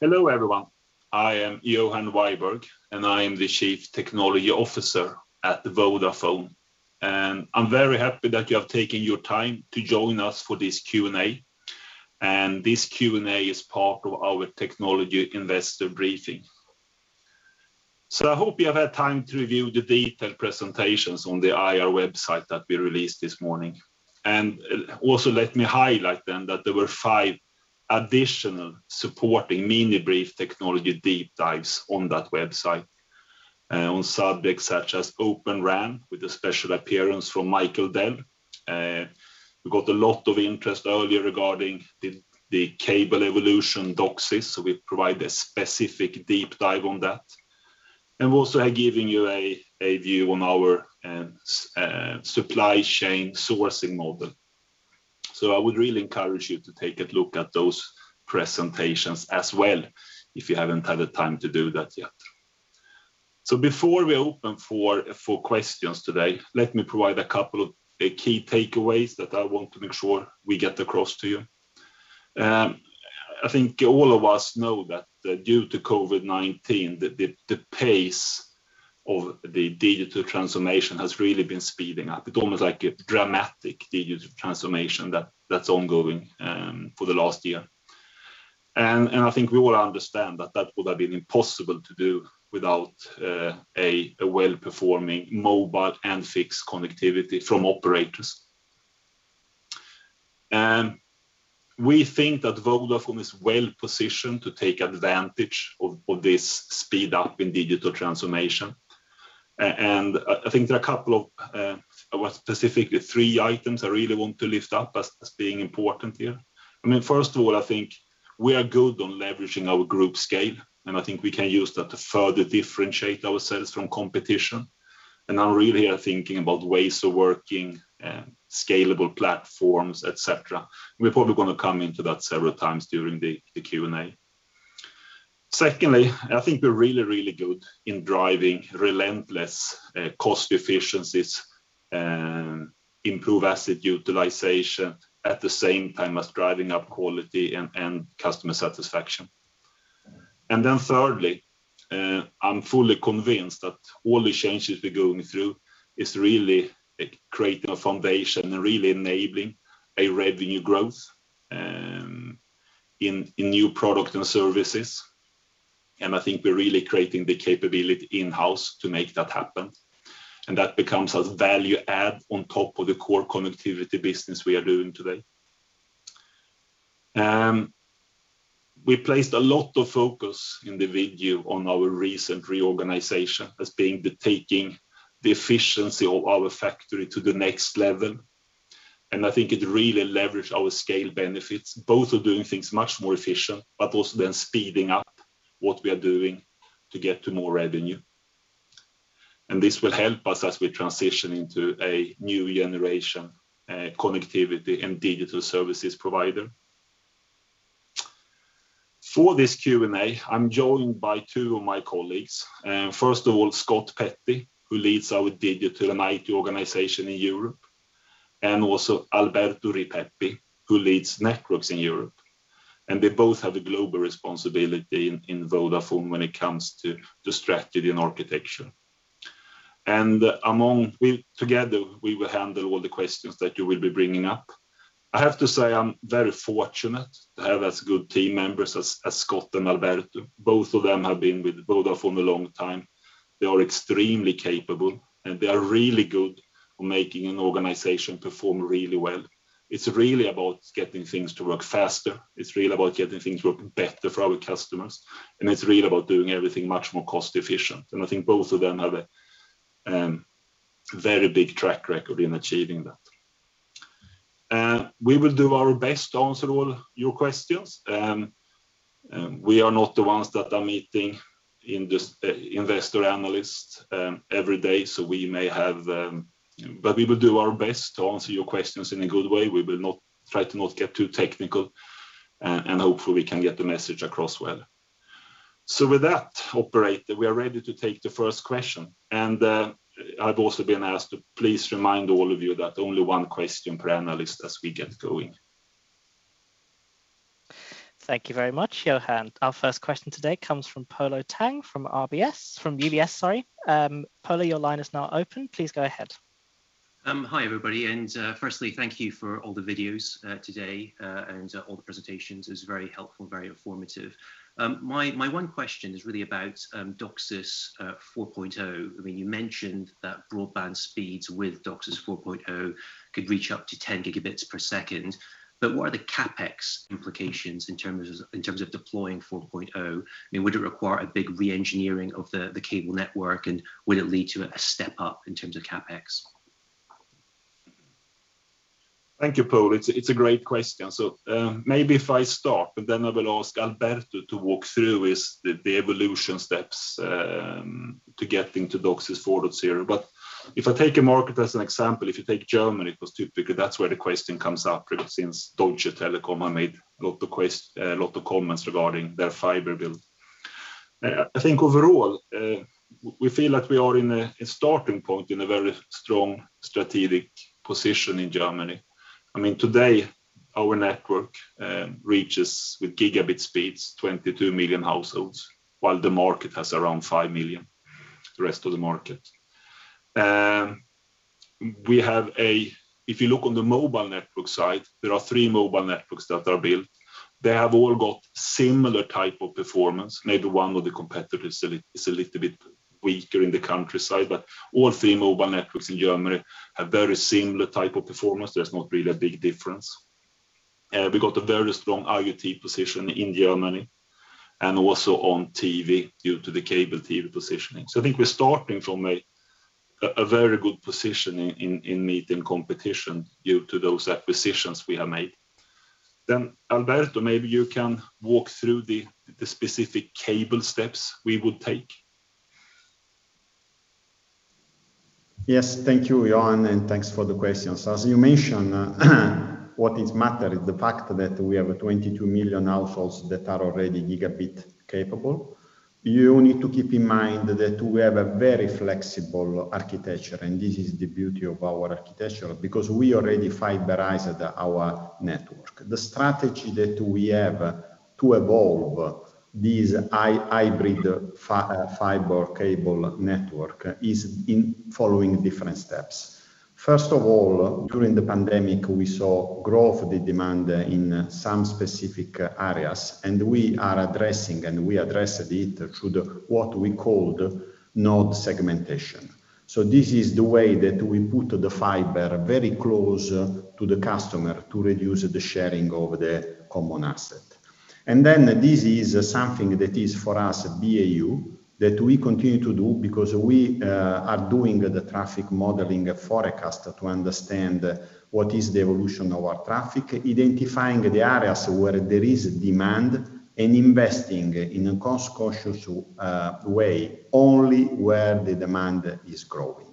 Hello, everyone. I am Johan Wibergh, and I am the Chief Technology Officer at Vodafone. I'm very happy that you have taken your time to join us for this Q&A. This Q&A is part of our technology investor briefing. I hope you have had time to review the detailed presentations on the IR website that we released this morning. Also let me highlight then that there were five additional supporting mini brief technology deep dives on that website on subjects such as Open RAN, with a special appearance from Michael Dell. We got a lot of interest earlier regarding the cable evolution DOCSIS, so we provide a specific deep dive on that, and also giving you a view on our supply chain sourcing model. I would really encourage you to take a look at those presentations as well if you haven't had the time to do that yet. Before we open for questions today, let me provide a couple of key takeaways that I want to make sure we get across to you. I think all of us know that due to COVID-19, the pace of the digital transformation has really been speeding up. It's almost like a dramatic digital transformation that's ongoing for the last year. I think we all understand that would have been impossible to do without a well-performing mobile and fixed connectivity from operators. We think that Vodafone is well-positioned to take advantage of this speed-up in digital transformation. I think there are a couple of, specifically three items I really want to lift up as being important here. First of all, I think we are good on leveraging our group scale. I really am thinking about ways of working and scalable platforms, et cetera. We're probably going to come into that several times during the Q&A. Secondly, I think we're really good in driving relentless cost efficiencies and improve asset utilization at the same time as driving up quality and customer satisfaction. Thirdly, I'm fully convinced that all the changes we're going through is really creating a foundation and really enabling a revenue growth in new product and services. I think we're really creating the capability in-house to make that happen, and that becomes a value add on top of the core connectivity business we are doing today. We placed a lot of focus in the video on our recent reorganization as being taking the efficiency of our factory to the next level. I think it really leveraged our scale benefits, both of doing things much more efficient, but also then speeding up what we are doing to get to more revenue. This will help us as we transition into a new generation connectivity and digital services provider. For this Q&A, I'm joined by two of my colleagues. First of all, Scott Petty, who leads our digital and IT organization in Europe, and also Alberto Ripepi, who leads networks in Europe. They both have a global responsibility in Vodafone when it comes to the strategy and architecture. Together, we will handle all the questions that you will be bringing up. I have to say, I'm very fortunate to have as good team members as Scott and Alberto. Both of them have been with Vodafone a long time. They are extremely capable. They are really good at making an organization perform really well. It's really about getting things to work faster. It's really about getting things to work better for our customers. It's really about doing everything much more cost-efficient. I think both of them have a very big track record in achieving that. We will do our best to answer all your questions. We are not the ones that are meeting investor analysts every day. We will do our best to answer your questions in a good way. We will try to not get too technical. Hopefully we can get the message across well. With that, operator, we are ready to take the first question. I've also been asked to please remind all of you that only one question per analyst as we get going. Thank you very much, Johan. Our first question today comes from Polo Tang from UBS, sorry. Polo, your line is now open. Please go ahead. Hi, everybody. Firstly, thank you for all the videos today and all the presentations. It was very helpful, very informative. My one question is really about DOCSIS 4.0. You mentioned that broadband speeds with DOCSIS 4.0 could reach up to 10 gigabits per second. What are the CapEx implications in terms of deploying 4.0? Would it require a big re-engineering of the cable network, and would it lead to a step-up in terms of CapEx? Thank you, Polo. It's a great question. Maybe if I start, and then I will ask Alberto to walk through the evolution steps to getting to DOCSIS 4.0. If I take a market as an example, if you take Germany, because typically that's where the question comes up, since Deutsche Telekom have made a lot of comments regarding their fiber build. I think overall, we feel like we are in a starting point in a very strong strategic position in Germany. Today, our network reaches, with gigabit speeds, 22 million households, while the market has around 5 million, the rest of the market. If you look on the mobile network side, there are three mobile networks that are built. They have all got similar type of performance. Maybe one of the competitors is a little bit weaker in the countryside, but all three mobile networks in Germany have very similar type of performance. There's not really a big difference. We've got a very strong IoT position in Germany, and also on TV due to the cable TV positioning. I think we're starting from a very good position in meeting competition due to those acquisitions we have made. Alberto, maybe you can walk through the specific cable steps we would take. Yes. Thank you, Johan, and thanks for the questions. As you mentioned, what matters is the fact that we have 22 million households that are already gigabit capable. You need to keep in mind that we have a very flexible architecture, and this is the beauty of our architecture, because we already fiberized our network. The strategy that we have to evolve this hybrid fiber cable network is in following different steps. First of all, during the pandemic, we saw growth of the demand in some specific areas, and we are addressing, and we addressed it through what we called node segmentation. This is the way that we put the fiber very close to the customer to reduce the sharing of the common asset. This is something that is for us, BAU, that we continue to do because we are doing the traffic modeling forecast to understand what is the evolution of our traffic, identifying the areas where there is demand, and investing in a cost-conscious way only where the demand is growing.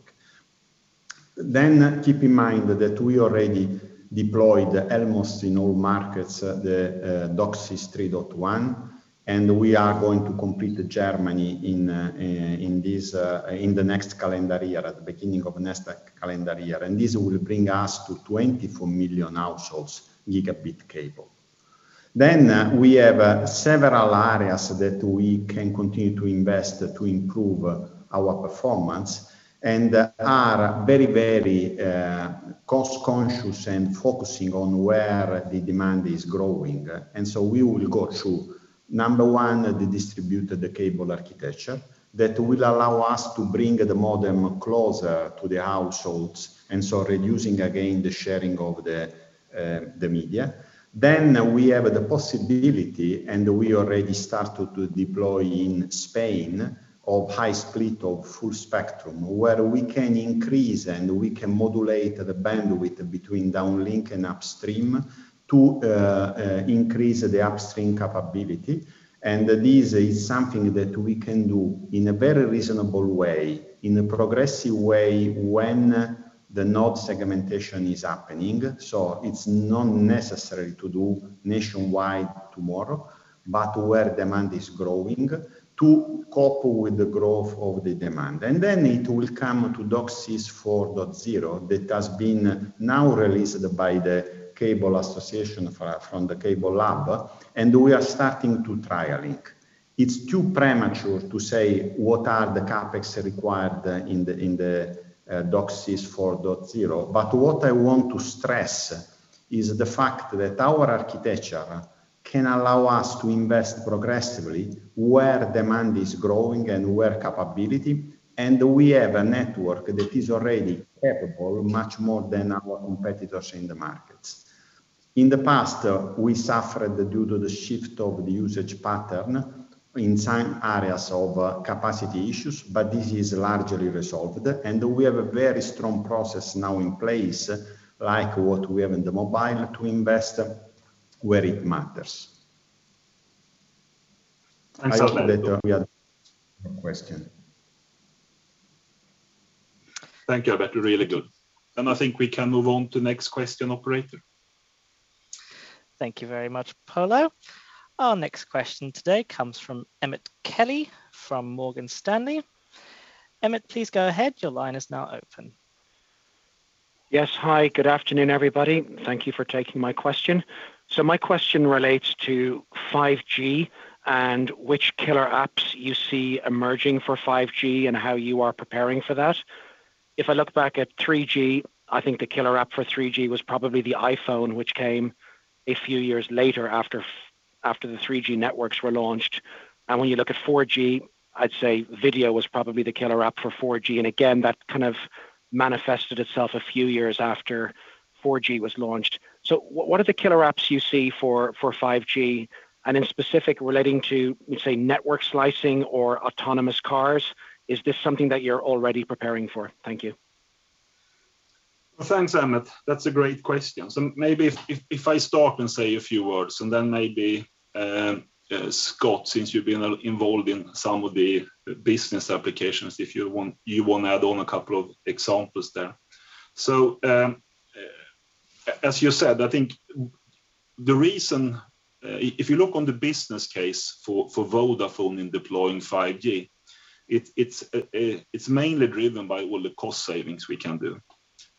Keep in mind that we already deployed almost in all markets the DOCSIS 3.1, and we are going to complete Germany in the next calendar year, at the beginning of next calendar year. This will bring us to 24 million households gigabit capable. We have several areas that we can continue to invest to improve our performance, and are very cost-conscious and focusing on where the demand is growing. We will go through, number one, the distributed cable architecture that will allow us to bring the modem closer to the households, and so reducing again the sharing of the media. We have the possibility, and we already started to deploy in Spain, of high split of full spectrum, where we can increase and we can modulate the bandwidth between downlink and upstream to increase the upstream capability. This is something that we can do in a very reasonable way, in a progressive way when the node segmentation is happening. It's not necessary to do nationwide tomorrow, but where demand is growing to cope with the growth of the demand. It will come to DOCSIS 4.0 that has been now released by the Cable Association from the CableLabs, and we are starting to trialing. It's too premature to say what are the CapEx required in the DOCSIS 4.0. What I want to stress is the fact that our architecture can allow us to invest progressively where demand is growing and where capability, and we have a network that is already capable much more than our competitors in the markets. In the past, we suffered due to the shift of the usage pattern in some areas of capacity issues, but this is largely resolved, and we have a very strong process now in place, like what we have in the mobile to invest where it matters. Thanks, Alberto. That's all from my question. Thank you, Alberto. Really good. I think we can move on to next question operator. Thank you very much, Polo. Our next question today comes from Emmet Kelly from Morgan Stanley. Emmet, please go ahead. Your line is now open. Yes. Hi, good afternoon, everybody. Thank you for taking my question. My question relates to 5G and which killer apps you see emerging for 5G and how you are preparing for that. If I look back at 3G, I think the killer app for 3G was probably the iPhone, which came a few years later after the 3G networks were launched. When you look at 4G, I'd say video was probably the killer app for 4G. Again, that kind of manifested itself a few years after 4G was launched. What are the killer apps you see for 5G? In specific relating to, you say network slicing or autonomous cars, is this something that you're already preparing for? Thank you. Thanks, Emmet. That's a great question. Maybe if I start and say a few words and then maybe, Scott, since you've been involved in some of the business applications, if you want to add on a couple of examples there. As you said, I think the reason, if you look on the business case for Vodafone in deploying 5G, it's mainly driven by all the cost savings we can do.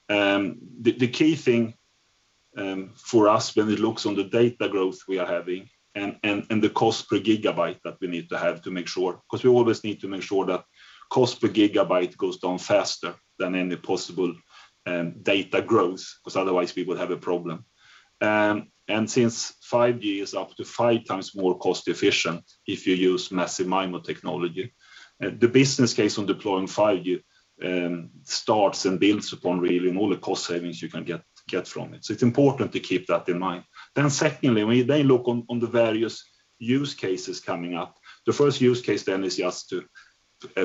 The key thing for us when we look at the data growth we are having and the cost per gigabyte that we need to have to make sure, because we always need to make sure that cost per gigabyte goes down faster than any possible data growth, because otherwise we will have a problem. Since 5G is up to 5 times more cost-efficient if you use Massive MIMO technology, the business case of deploying 5G starts and builds upon really all the cost savings you can get from it. It's important to keep that in mind. Secondly, when they look on the various use cases coming up, the first use case then is just to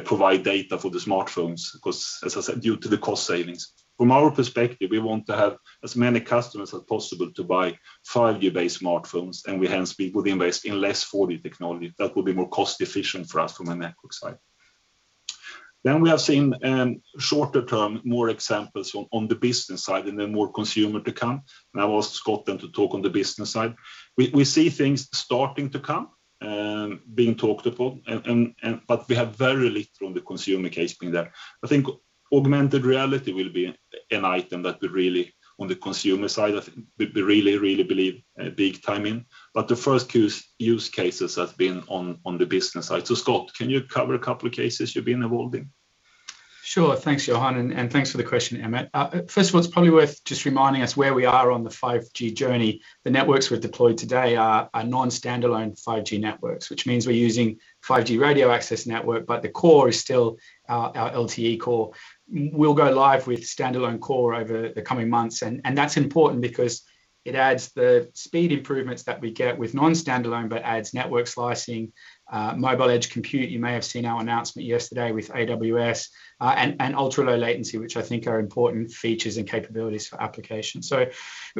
provide data for the smartphones, because as I said, due to the cost savings. From our perspective, we want to have as many customers as possible to buy 5G-based smartphones, we hence would invest in less 4G technology that would be more cost-efficient for us from a network side. We have seen shorter term, more examples on the business side and then more consumer to come. I've asked Scott then to talk on the business side. We see things starting to come, being talked about, we have very little on the consumer case being there. I think augmented reality will be an item that on the consumer side, I think we really believe big time in. The first use cases have been on the business side. Scott, can you cover a couple of cases you've been involved in? Sure. Thanks, Johan, and thanks for the question, Emmet. First of all, it's probably worth just reminding us where we are on the 5G journey. The networks we've deployed today are non-standalone 5G networks, which means we're using 5G radio access network, but the core is still our LTE core. We'll go live with standalone core over the coming months, and that's important because it adds the speed improvements that we get with non-standalone, but adds network slicing, mobile edge compute. You may have seen our announcement yesterday with AWS, and ultra low latency, which I think are important features and capabilities for applications.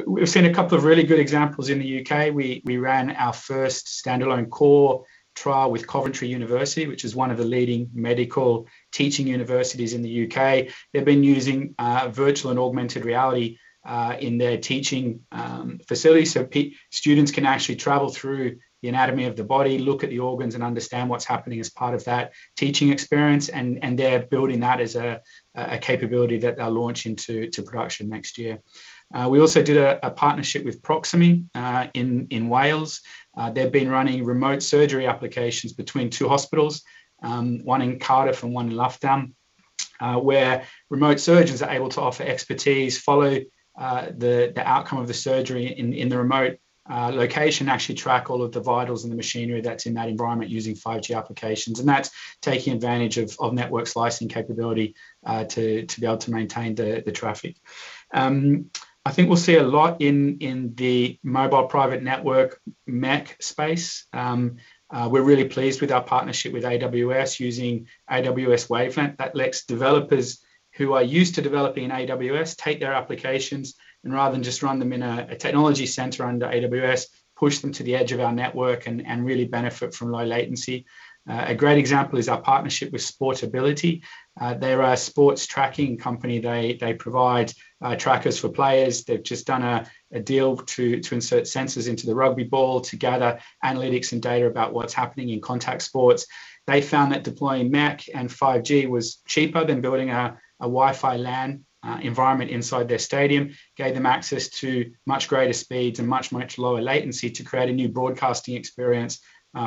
We've seen a couple of really good examples in the U.K. We ran our first standalone core trial with Coventry University, which is one of the leading medical teaching universities in the U.K. They've been using virtual and augmented reality in their teaching facility. Students can actually travel through the anatomy of the body, look at the organs, and understand what's happening as part of that teaching experience, and they're building that as a capability that they'll launch into production next year. We also did a partnership with Proximie in Wales. They've been running remote surgery applications between two hospitals, one in Cardiff and one in Llandough, where remote surgeons are able to offer expertise, follow the outcome of the surgery in the remote location, actually track all of the vitals and machinery that's in that environment using 5G applications. That's taking advantage of network slicing capability to be able to maintain the traffic. I think we'll see a lot in the mobile private network MEC space. We're really pleased with our partnership with AWS using AWS Wavelength that lets developers who are used to developing AWS take their applications and rather than just run them in a technology center under AWS, push them to the edge of our network and really benefit from low latency. A great example is our partnership with Sportability. They're a sports tracking company. They provide trackers for players. They've just done a deal to insert sensors into the rugby ball to gather analytics and data about what's happening in contact sports. They found that deploying MEC and 5G was cheaper than building a Wi-Fi LAN environment inside their stadium, gave them access to much greater speeds and much, much lower latency to create a new broadcasting experience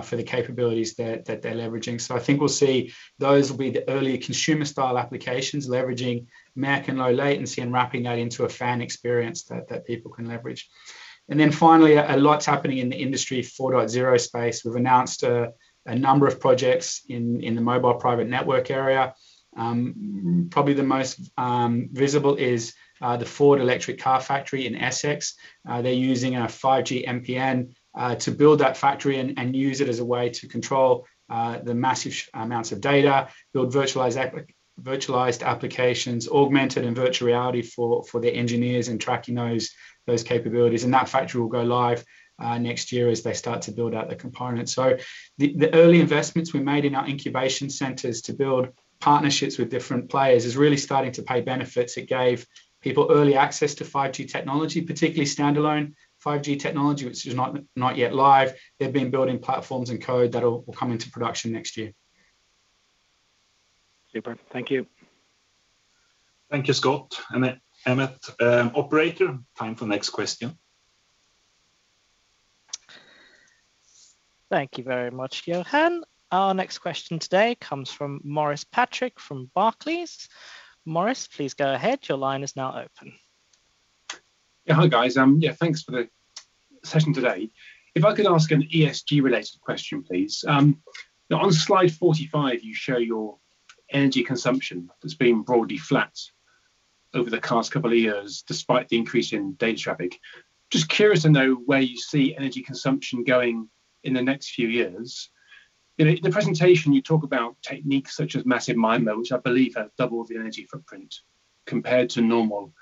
for the capabilities that they're leveraging. I think we'll see those will be the early consumer-style applications leveraging MEC and low latency and wrapping that into a fan experience that people can leverage. Finally, a lot's happening in the Industry 4.0 space. We've announced a number of projects in the Mobile Private Network area. Probably the most visible is the Ford electric car factory in Essex. They're using a 5G MPN to build that factory and use it as a way to control the massive amounts of data, build virtualized applications, augmented and virtual reality for the engineers and tracking those capabilities. That factory will go live next year as they start to build out the components. The early investments we made in our incubation centers to build partnerships with different players is really starting to pay benefits. It gave people early access to 5G technology, particularly standalone 5G technology, which is not yet live. They've been building platforms and code that will come into production next year. Super. Thank you. Thank you, Scott. Emmet. Operator, time for next question. Thank you very much, Johan. Our next question today comes from Maurice Patrick from Barclays. Maurice, please go ahead. Your line is now open. Hi, guys. Yeah, thanks for the session today. If I could ask an ESG-related question, please. On slide 45, you show your energy consumption as being broadly flat over the past couple of years, despite the increase in data traffic. Just curious to know where you see energy consumption going in the next few years. In the presentation, you talk about techniques such as Massive MIMO, which I believe have double the energy footprint compared to normal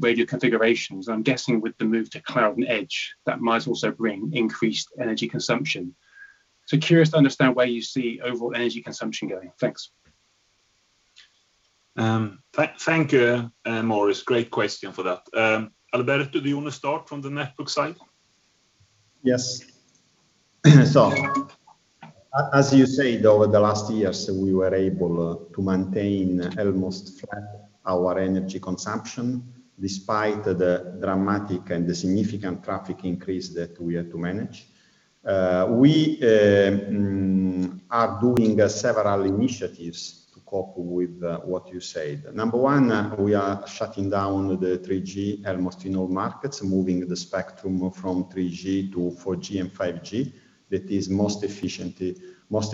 radio configurations. I'm guessing with the move to cloud and edge, that might also bring increased energy consumption. Curious to understand where you see overall energy consumption going. Thanks. Thank you, Maurice. Great question for that. Alberto, do you want to start from the network side? Yes. As you say, over the last years, we were able to maintain almost flat our energy consumption despite the dramatic and the significant traffic increase that we had to manage. We are doing several initiatives to cope with what you said. Number one, we are shutting down the 3G almost in all markets, moving the spectrum from 3G-4G and 5G. That is most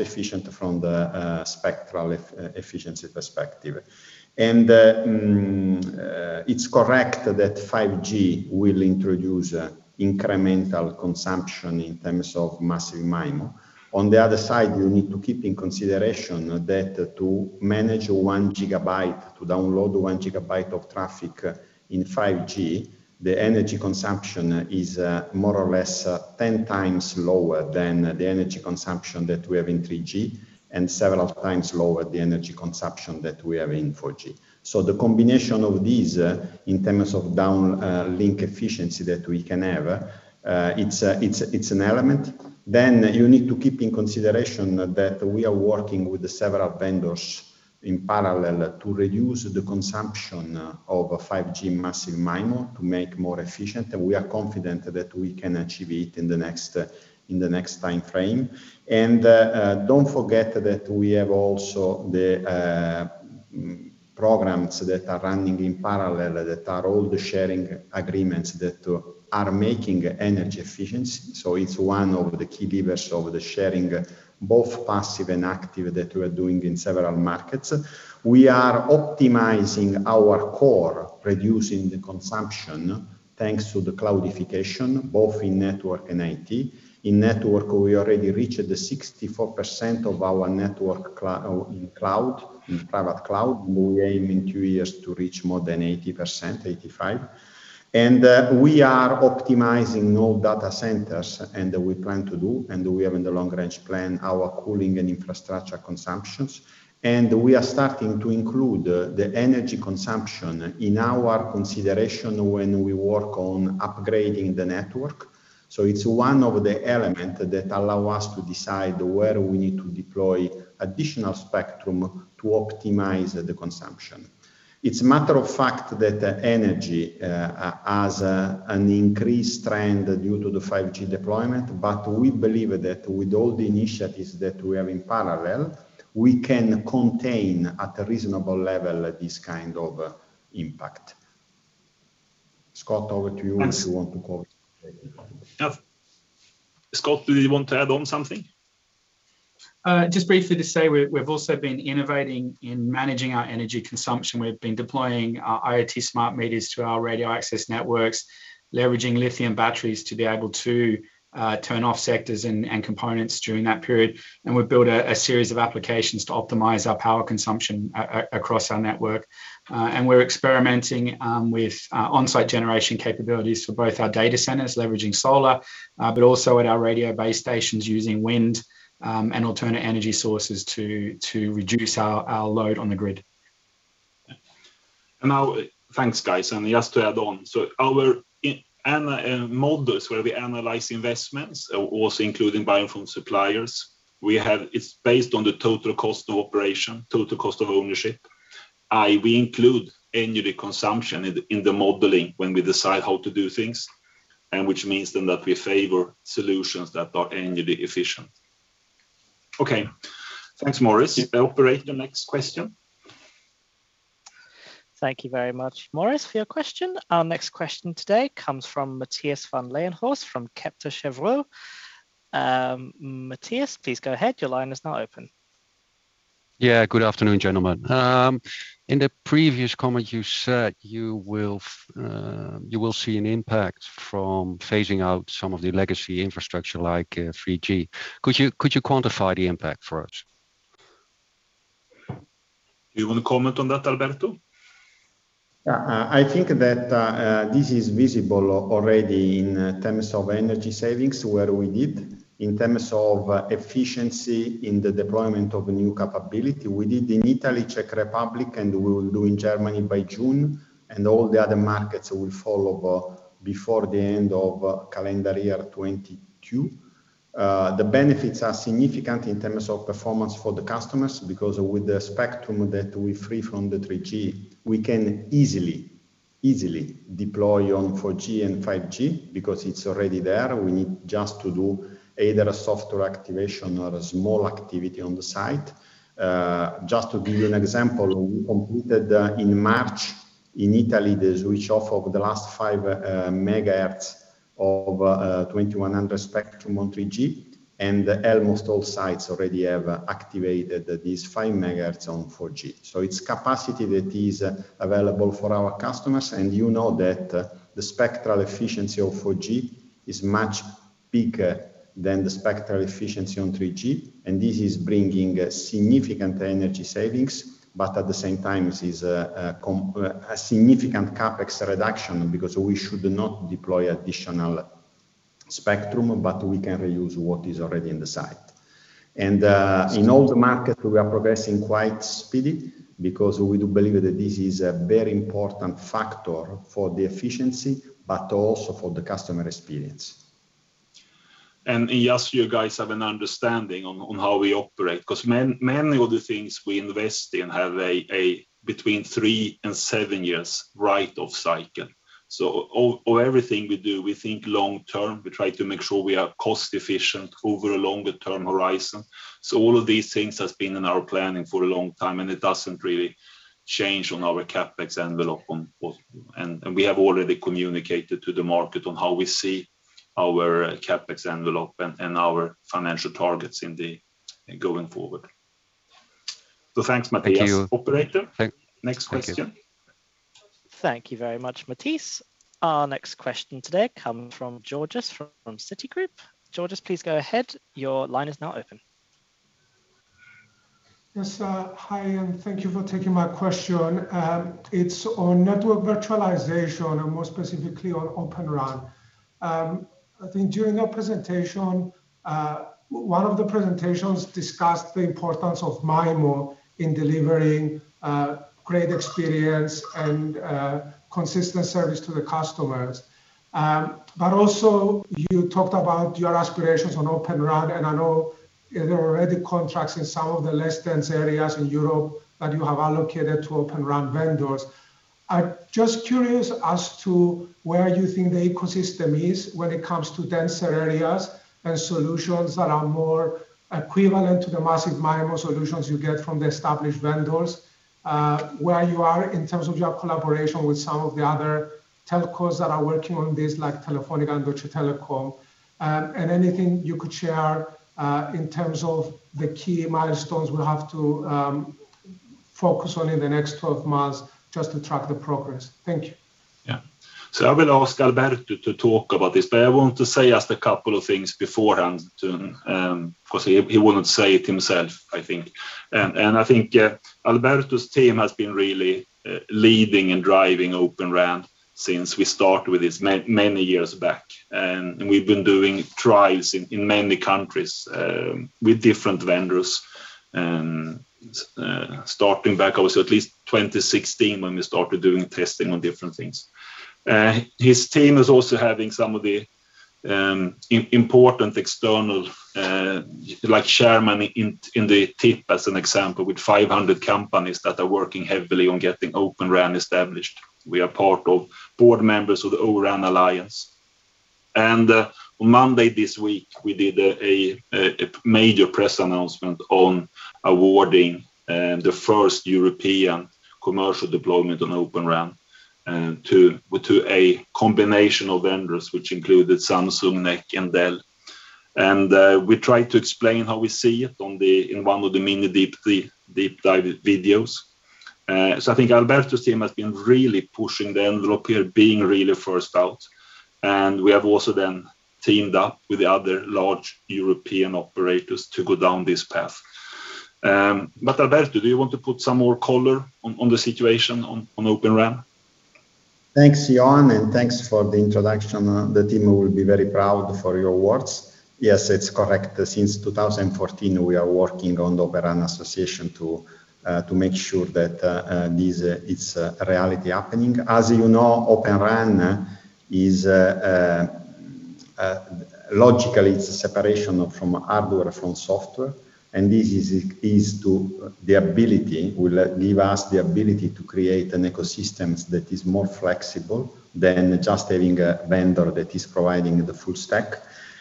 efficient from the spectral efficiency perspective. It's correct that 5G will introduce incremental consumption in terms of Massive MIMO. On the other side, we need to keep in consideration that to manage 1 GB, to download 1 GB of traffic in 5G, the energy consumption is more or less 10x lower than the energy consumption that we have in 3G and several times lower the energy consumption that we have in 4G. The combination of these in terms of downlink efficiency that we can have, it's an element. You need to keep in consideration that we are working with several vendors in parallel to reduce the consumption of 5G Massive MIMO to make more efficient. We are confident that we can achieve it in the next time frame. Don't forget that we have also the programs that are running in parallel that are all the sharing agreements that are making energy efficiency. It's one of the key levers of the sharing, both passive and active, that we're doing in several markets. We are optimizing our core, reducing the consumption thanks to the cloudification, both in network and IT. In network, we already reached 64% of our network in private cloud. We aim in two years to reach more than 80%-85%. We are optimizing all data centers, we have in the long-range plan our cooling and infrastructure consumptions. We are starting to include the energy consumption in our consideration when we work on upgrading the network. It's one of the elements that allow us to decide where we need to deploy additional spectrum to optimize the consumption. It's matter of fact that energy has an increased trend due to the 5G deployment, we believe that with all the initiatives that we have in parallel, we can contain at a reasonable level this kind of impact. Scott, over to you if you want to comment. Scott, do you want to add on something? Just briefly to say, we've also been innovating in managing our energy consumption. We've been deploying our IoT smart meters to our radio access networks, leveraging lithium batteries to be able to turn off sectors and components during that period. We've built a series of applications to optimize our power consumption across our network. We're experimenting with on-site generation capabilities for both our data centers, leveraging solar, but also at our radio base stations using wind, and alternate energy sources to reduce our load on the grid. Now, thanks, guys. Just to add on, our models where we analyze investments, also including buying from suppliers, it's based on the total cost of operation, total cost of ownership. We include energy consumption in the modeling when we decide how to do things, which means then that we favor solutions that are energy efficient. Okay. Thanks, Maurice. Operator, next question. Thank you very much, Maurice, for your question. Our next question today comes from Matthias von Lehnhorst from Credit Suisse. Matthias, please go ahead. Your line is now open. Yeah, good afternoon, gentlemen. In the previous comment you said you will see an impact from phasing out some of the legacy infrastructure like 3G. Could you quantify the impact for us? You want to comment on that, Alberto? Yeah. I think that this is visible already in terms of energy savings where we did, in terms of efficiency in the deployment of a new capability. We did in Italy, Czech Republic, and we will do in Germany by June. All the other markets will follow before the end of calendar year 2022. The benefits are significant in terms of performance for the customers, because with the spectrum that we free from the 3G, we can easily deploy on 4G and 5G because it's already there. We need just to do either a software activation or a small activity on the site. Just to give you an example, we completed in March in Italy the switch off of the last 5 MHz of 2100 spectrum on 3G, and almost all sites already have activated these 5 MHz on 4G. It's capacity that is available for our customers. You know that the spectral efficiency of 4G is much bigger than the spectral efficiency on 3G, and this is bringing significant energy savings. At the same time, this is a significant CapEx reduction because we should not deploy additional spectrum, but we can reuse what is already in the site. In all the markets, we are progressing quite speedy because we do believe that this is a very important factor for the efficiency but also for the customer experience. Just so you guys have an understanding on how we operate. Because many of the things we invest in have between three and seven years write-off cycle. Everything we do, we think long term, we try to make sure we are cost efficient over a longer-term horizon. All of these things have been in our planning for a long time, and it doesn't really change on our CapEx envelope. We have already communicated to the market on how we see our CapEx envelope and our financial targets going forward. Thanks, Matthias. Thank you. Operator, next question. Thank you very much, Matthias. Our next question today coming from Georgios from Citigroup. Georgios, please go ahead. Your line is now open. Yes. Hi, and thank you for taking my question. It's on network virtualization and more specifically on Open RAN. I think during your presentation, one of the presentations discussed the importance of MIMO in delivering great experience and consistent service to the customers. Also you talked about your aspirations on Open RAN, and I know there are already contracts in some of the less dense areas in Europe that you have allocated to Open RAN vendors. I'm just curious as to where you think the ecosystem is when it comes to denser areas and solutions that are more equivalent to the Massive MIMO solutions you get from the established vendors, where you are in terms of your collaboration with some of the other telcos that are working on this, like Telefónica and Deutsche Telekom. Anything you could share in terms of the key milestones we have to focus on in the next 12 months just to track the progress. Thank you. Yeah. I will ask Alberto to talk about this, but I want to say just a couple of things beforehand because he wouldn't say it himself, I think. I think Alberto's team has been really leading and driving Open RAN since we started with this many years back. We've been doing trials in many countries with different vendors, starting back obviously at least 2016 when we started doing testing on different things. His team is also having some of the important external, like chairman in the TIP as an example, with 500 companies that are working heavily on getting Open RAN established. We are part of board members of the O-RAN Alliance. On Monday this week, we did a major press announcement on awarding the first European commercial deployment on Open RAN to a combination of vendors, which included Samsung, NEC, and Dell. We tried to explain how we see it in one of the mini deep dive videos. I think Alberto's team has been really pushing the envelope here, being really first out, and we have also then teamed up with the other large European operators to go down this path. Alberto, do you want to put some more color on the situation on Open RAN? Thanks, Johan, and thanks for the introduction. The team will be very proud for your words. Yes, it's correct. Since 2014, we are working on the O-RAN Alliance to make sure that this is a reality happening. As you know, Open RAN, logically, it's a separation of hardware from software, and this will give us the ability to create an ecosystem that is more flexible than just having a vendor that is providing the full stack.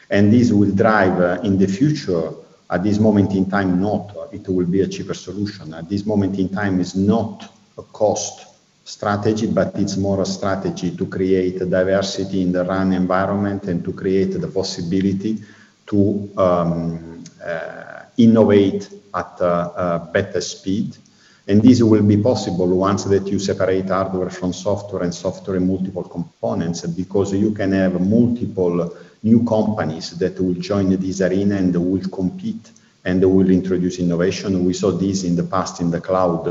This will drive in the future. At this moment in time, no, it will be a cheaper solution. At this moment in time, it's not a cost strategy, but it's more a strategy to create diversity in the RAN environment and to create the possibility to innovate at a better speed. This will be possible once that you separate hardware from software and software in multiple components because you can have multiple new companies that will join this arena and will compete and will introduce innovation. We saw this in the past in the cloud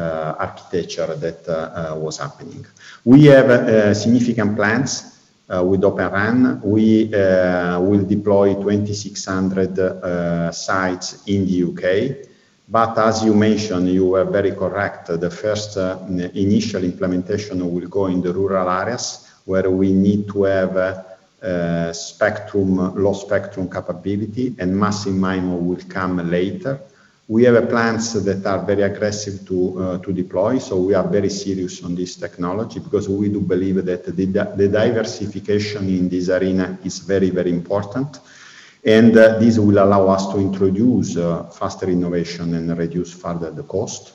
architecture that was happening. We have significant plans with Open RAN. We will deploy 2,600 sites in the U.K. As you mentioned, you were very correct. The first initial implementation will go in the rural areas where we need to have low spectrum capability, and Massive MIMO will come later. We have plans that are very aggressive to deploy. We are very serious on this technology because we do believe that the diversification in this arena is very important, and this will allow us to introduce faster innovation and reduce further the cost.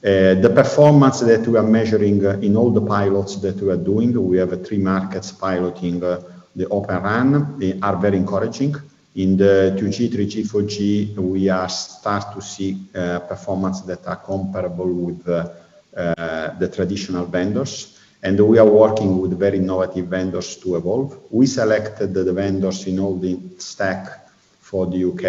The performance that we're measuring in all the pilots that we are doing, we have three markets piloting the Open RAN, are very encouraging. In the 2G, 3G, 4G, we are starting to see performance that are comparable with the traditional vendors. We are working with very innovative vendors to evolve. We selected the vendors in all the stack. For the U.K.,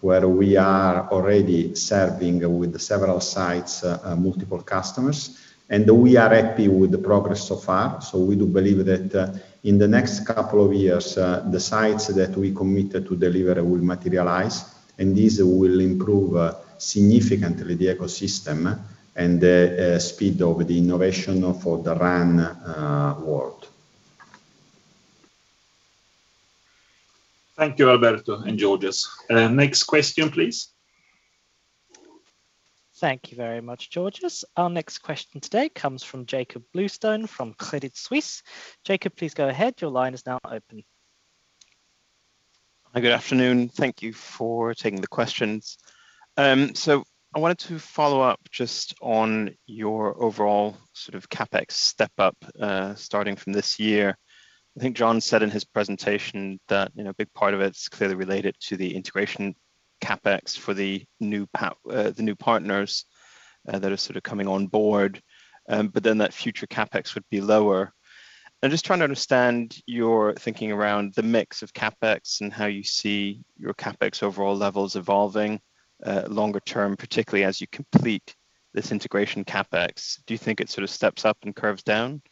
where we are already serving with several sites and multiple customers, we are happy with the progress so far. We do believe that in the next couple of years, the sites that we committed to deliver will materialize, this will improve significantly the ecosystem and the speed of the innovation for the RAN world. Thank you, Alberto and Georgios. Next question, please. Thank you very much, Georgios. Our next question today comes from Jakob Bluestone from Credit Suisse. Jakob, please go ahead. Your line is now open. Good afternoon. Thank you for taking the questions. I wanted to follow up just on your overall CapEx step-up starting from this year. I think Johan said in his presentation that a big part of it's clearly related to the integration CapEx for the new partners that are coming on board, that future CapEx would be lower. I'm just trying to understand your thinking around the mix of CapEx and how you see your CapEx overall levels evolving longer term, particularly as you complete this integration CapEx. Do you think it steps up and curves down,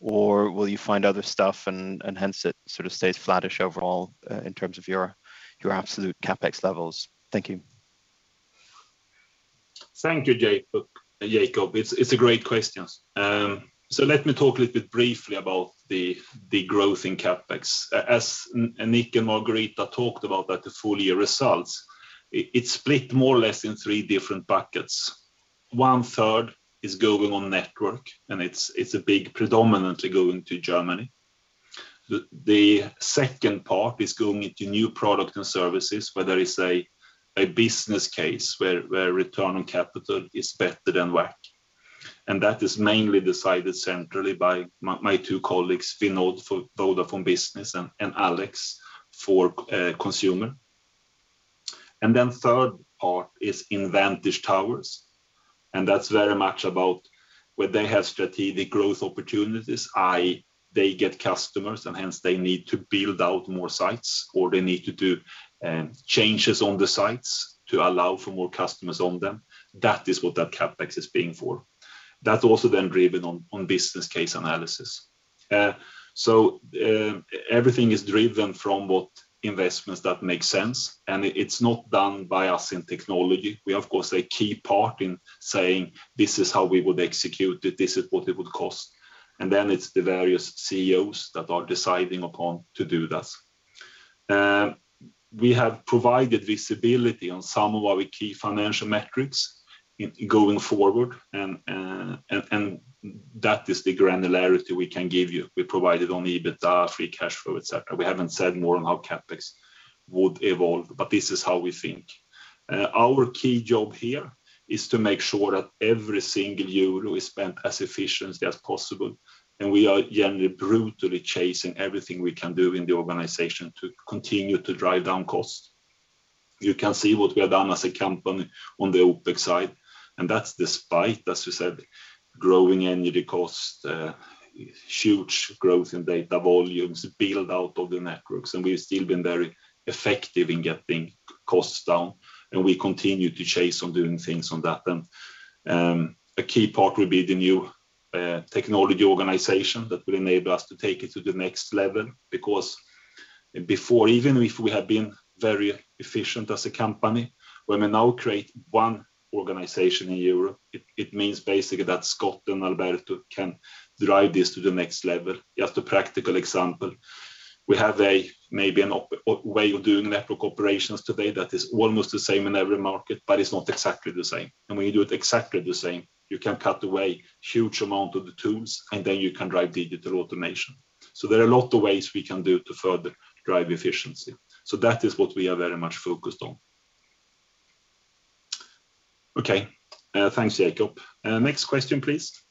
or will you find other stuff and hence it stays flattish overall in terms of your absolute CapEx levels? Thank you. Thank you, Jakob. It's a great question. Let me talk a little bit briefly about the growth in CapEx. As Nick and Margherita talked about at the full year results, it's split more or less in three different buckets. One third is going on network, and it's predominantly going to Germany. The second part is going into new product and services, where there is a business case where return on capital is better than WACC. That is mainly decided centrally by my two colleagues, Fánan for Vodafone Business and Alex for Consumer. Third part is in Vantage Towers, and that's very much about where they have strategic growth opportunities, i.e., they get customers and hence they need to build out more sites, or they need to do changes on the sites to allow for more customers on them. That is what that CapEx is paying for. That's also then driven on business case analysis. Everything is driven from what investments that make sense, and it's not done by us in technology. We of course, a key part in saying, "This is how we would execute it, this is what it would cost." It's the various CEOs that are deciding upon to do that. We have provided visibility on some of our key financial metrics going forward, and that is the granularity we can give you. We provided on EBITDA, free cash flow, et cetera. We haven't said more on how CAPEX would evolve, this is how we think. Our key job here is to make sure that every single EUR is spent as efficiently as possible, we are brutally chasing everything we can do in the organization to continue to drive down costs. You can see what we have done as a company on the OPEX side, and that's despite, as you said, growing energy costs, huge growth in data volumes, build-out of the networks, and we've still been very effective in getting costs down, and we continue to chase on doing things on that. A key part will be the new technology organization that will enable us to take it to the next level. Before, even if we have been very efficient as a company, when we now create one organization in Europe, it means basically that Scott and Alberto can drive this to the next level. Just a practical example. We have maybe a way of doing network operations today that is almost the same in every market, but it's not exactly the same. We do it exactly the same. You can cut away huge amount of the tools, and then you can drive digital automation. There are a lot of ways we can do to further drive efficiency. That is what we are very much focused on. Okay. Thanks, Jakob. Next question, please.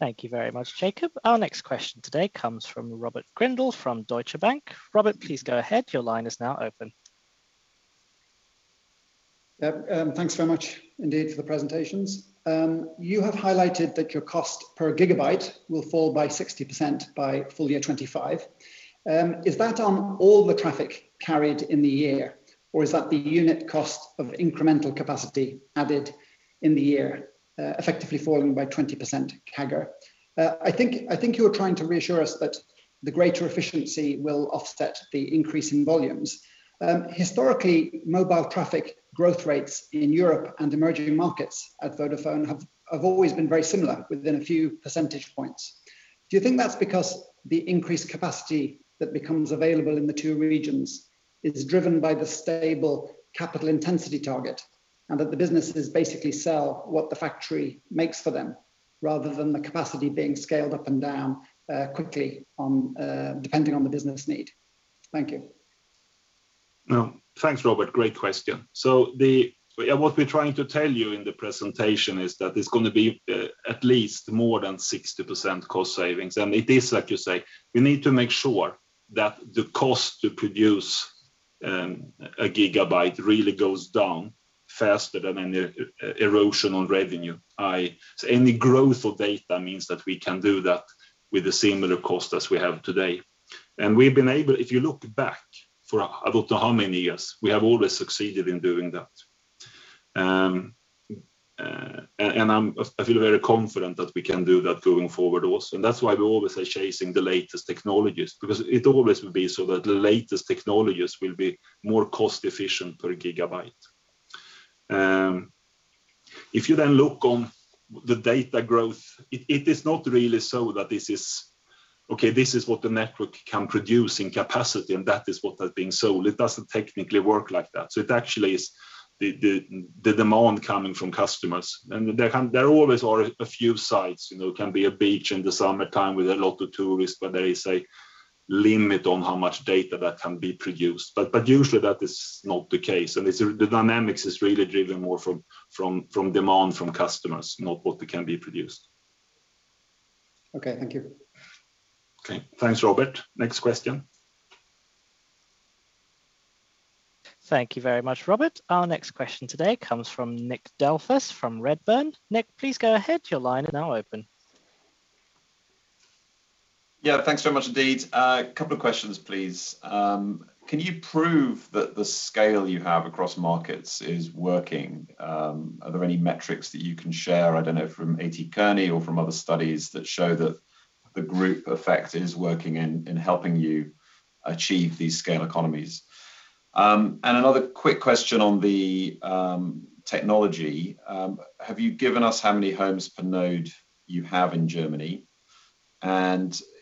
Thank you very much, Jakob. Our next question today comes from Robert Grindle from Deutsche Bank. Robert, please go ahead. Thanks very much indeed for the presentations. You have highlighted that your cost per gigabyte will fall by 60% by full year 2025. Is that on all the traffic carried in the year, or is that the unit cost of incremental capacity added in the year, effectively falling by 20% CAGR? I think you're trying to reassure us that the greater efficiency will offset the increase in volumes. Historically, mobile traffic growth rates in Europe and emerging markets at Vodafone have always been very similar within a few percentage points. Do you think that's because the increased capacity that becomes available in the two regions is driven by the stable capital intensity target, and that the businesses basically sell what the factory makes for them, rather than the capacity being scaled up and down quickly depending on the business need? Thank you. Thanks, Robert. Great question. What we're trying to tell you in the presentation is that it's going to be at least more than 60% cost savings. It is, like you say, we need to make sure that the cost to produce a gigabyte really goes down faster than any erosion on revenue. Any growth of data means that we can do that with the similar cost as we have today. If you look back for, I don't know how many years, we have always succeeded in doing that. I feel very confident that we can do that going forward also. That's why we always are chasing the latest technologies, because it always will be so that the latest technologies will be more cost-efficient per gigabyte. You then look on the data growth, it is not really so that this is, okay, this is what the network can produce in capacity, and that is what has been sold. It doesn't technically work like that. It actually is the demand coming from customers. There always are a few sites, it can be a beach in the summertime with a lot of tourists, but there is a limit on how much data that can be produced. Usually, that is not the case. The dynamics is really driven more from demand from customers, not what can be produced. Okay. Thank you. Okay. Thanks, Robert. Next question. Thank you very much, Robert. Our next question today comes from Nick Delfas from Redburn. Nick, please go ahead. Your line is now open. Yeah. Thanks very much indeed. A couple of questions, please. Can you prove that the scale you have across markets is working? Are there any metrics that you can share, I don't know, from A.T. Kearney or from other studies that show that the group effect is working in helping you achieve these scale economies? Another quick question on the technology. Have you given us how many homes per node you have in Germany?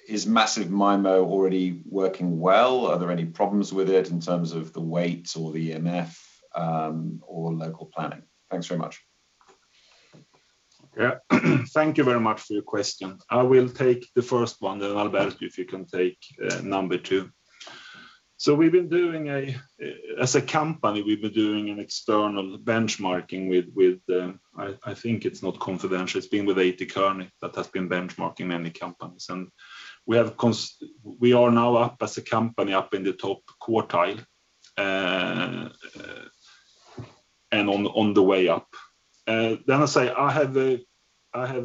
Is Massive MIMO already working well? Are there any problems with it in terms of the weight or EMF, or local planning? Thanks very much. Thank you very much for your question. I will take the first one, then Alberto, if you can take number two. As a company, we've been doing an external benchmarking with, I think it's not confidential. It's been with A.T. Kearney that has been benchmarking many companies. We are now up as a company up in the top quartile, and on the way up. I say I have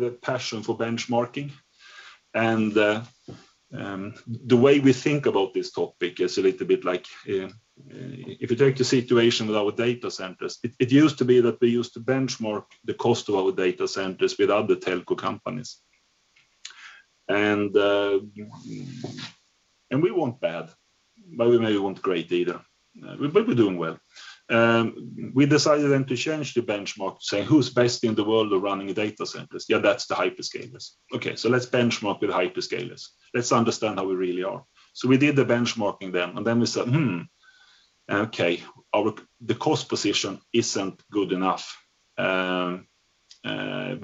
a passion for benchmarking, and the way we think about this topic is a little bit like if you take the situation with our data centers, it used to be that we used to benchmark the cost of our data centers with other telco companies. We weren't bad. Well, we may want great data. We're doing well. We decided then to change the benchmark to say who's best in the world of running data centers? Yeah, that's the hyperscalers. Okay, let's benchmark with hyperscalers. Let's understand how we really are. We did the benchmarking then. We said, "The cost position isn't good enough.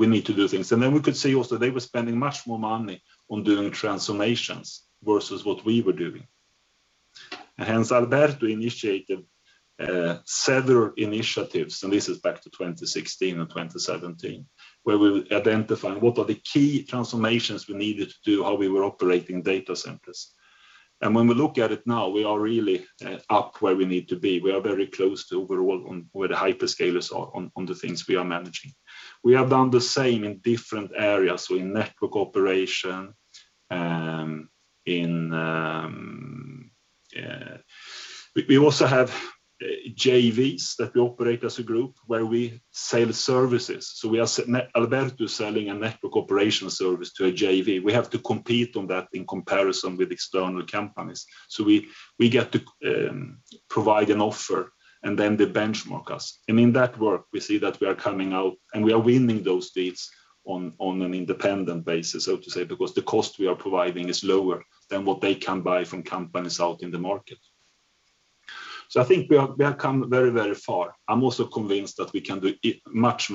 We need to do things." We could see also they were spending much more money on doing transformations versus what we were doing. Hence, Alberto initiated several initiatives. This is back to 2016 and 2017, where we identified what are the key transformations we needed to do, how we were operating data centers. When we look at it now, we are really up where we need to be. We are very close to where the hyperscalers are on the things we are managing. We have done the same in different areas. In network operation. We also have JVs that we operate as a group where we sell services. Alberto's selling a network operation service to a JV. We have to compete on that in comparison with external companies. We get to provide an offer, and then they benchmark us. In that work, we see that we are coming out and we are winning those bids on an independent basis, so to say, because the cost we are providing is lower than what they can buy from companies out in the market. I think we have come very far. I'm also convinced that we can do much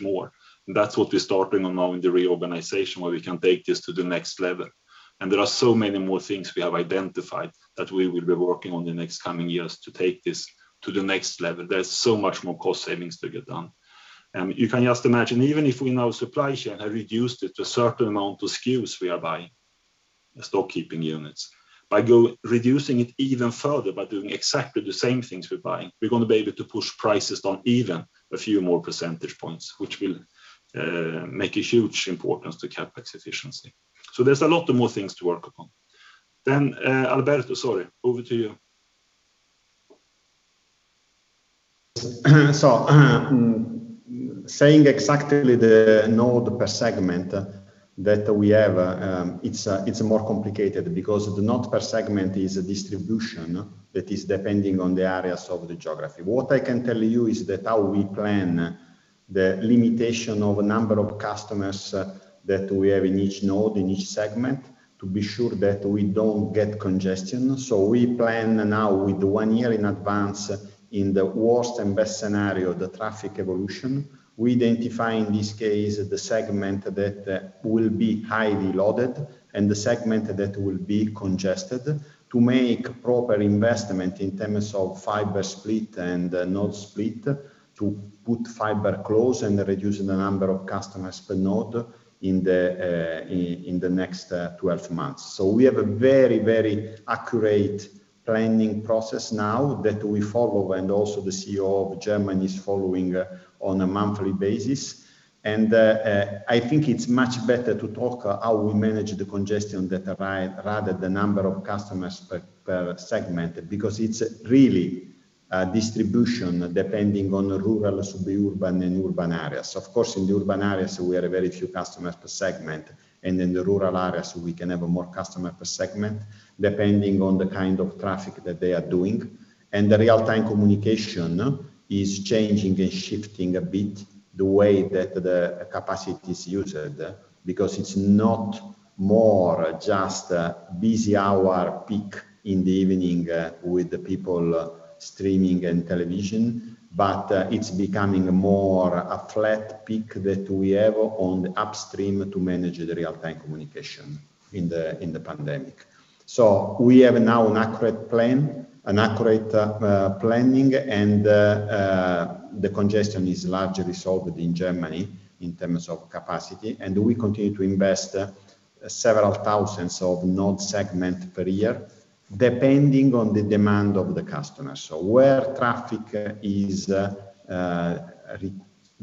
more, and that's what we're starting now in the reorganization, where we can take this to the next level. There are so many more things we have identified that we will be working on in the next coming years to take this to the next level. There's so much more cost savings to get done. You can just imagine, even if in our supply chain, having reduced it to a certain amount of SKUs we are buying, stock keeping units, by reducing it even further by doing exactly the same things we buy, we're going to be able to push prices down even a few more percentage points, which will make a huge importance to CapEx efficiency. There's a lot more things to work upon. Alberto, sorry. Over to you. Saying exactly the node per segment that we have, it's more complicated because the node per segment is a distribution that is depending on the areas of the geography. What I can tell you is that how we plan the limitation of the number of customers that we have in each node, in each segment, to be sure that we don't get congestion. We plan now with one year in advance in the worst and best scenario, the traffic evolution. We identify, in this case, the segment that will be highly loaded and the segment that will be congested to make proper investment in terms of fiber split and node split to put fiber close and reduce the number of customers per node in the next 12 months. We have a very accurate planning process now that we follow, and also the CEO of Germany is following on a monthly basis. I think it's much better to talk how we manage the congestion data rather the number of customers per segment, because it's really a distribution depending on the rural, suburban, and urban areas. Of course, in the urban areas, we have very few customers per segment, and in the rural areas, we can have more customers per segment, depending on the kind of traffic that they are doing. The real-time communication is changing and shifting a bit the way that the capacity is used, because it's not more just a busy hour peak in the evening with the people streaming and television, but it's becoming more a flat peak that we have on the upstream to manage the real-time communication in the pandemic. We have now an accurate planning, the congestion is largely solved in Germany in terms of capacity, we continue to invest several thousands of node segment per year, depending on the demand of the customers, where traffic is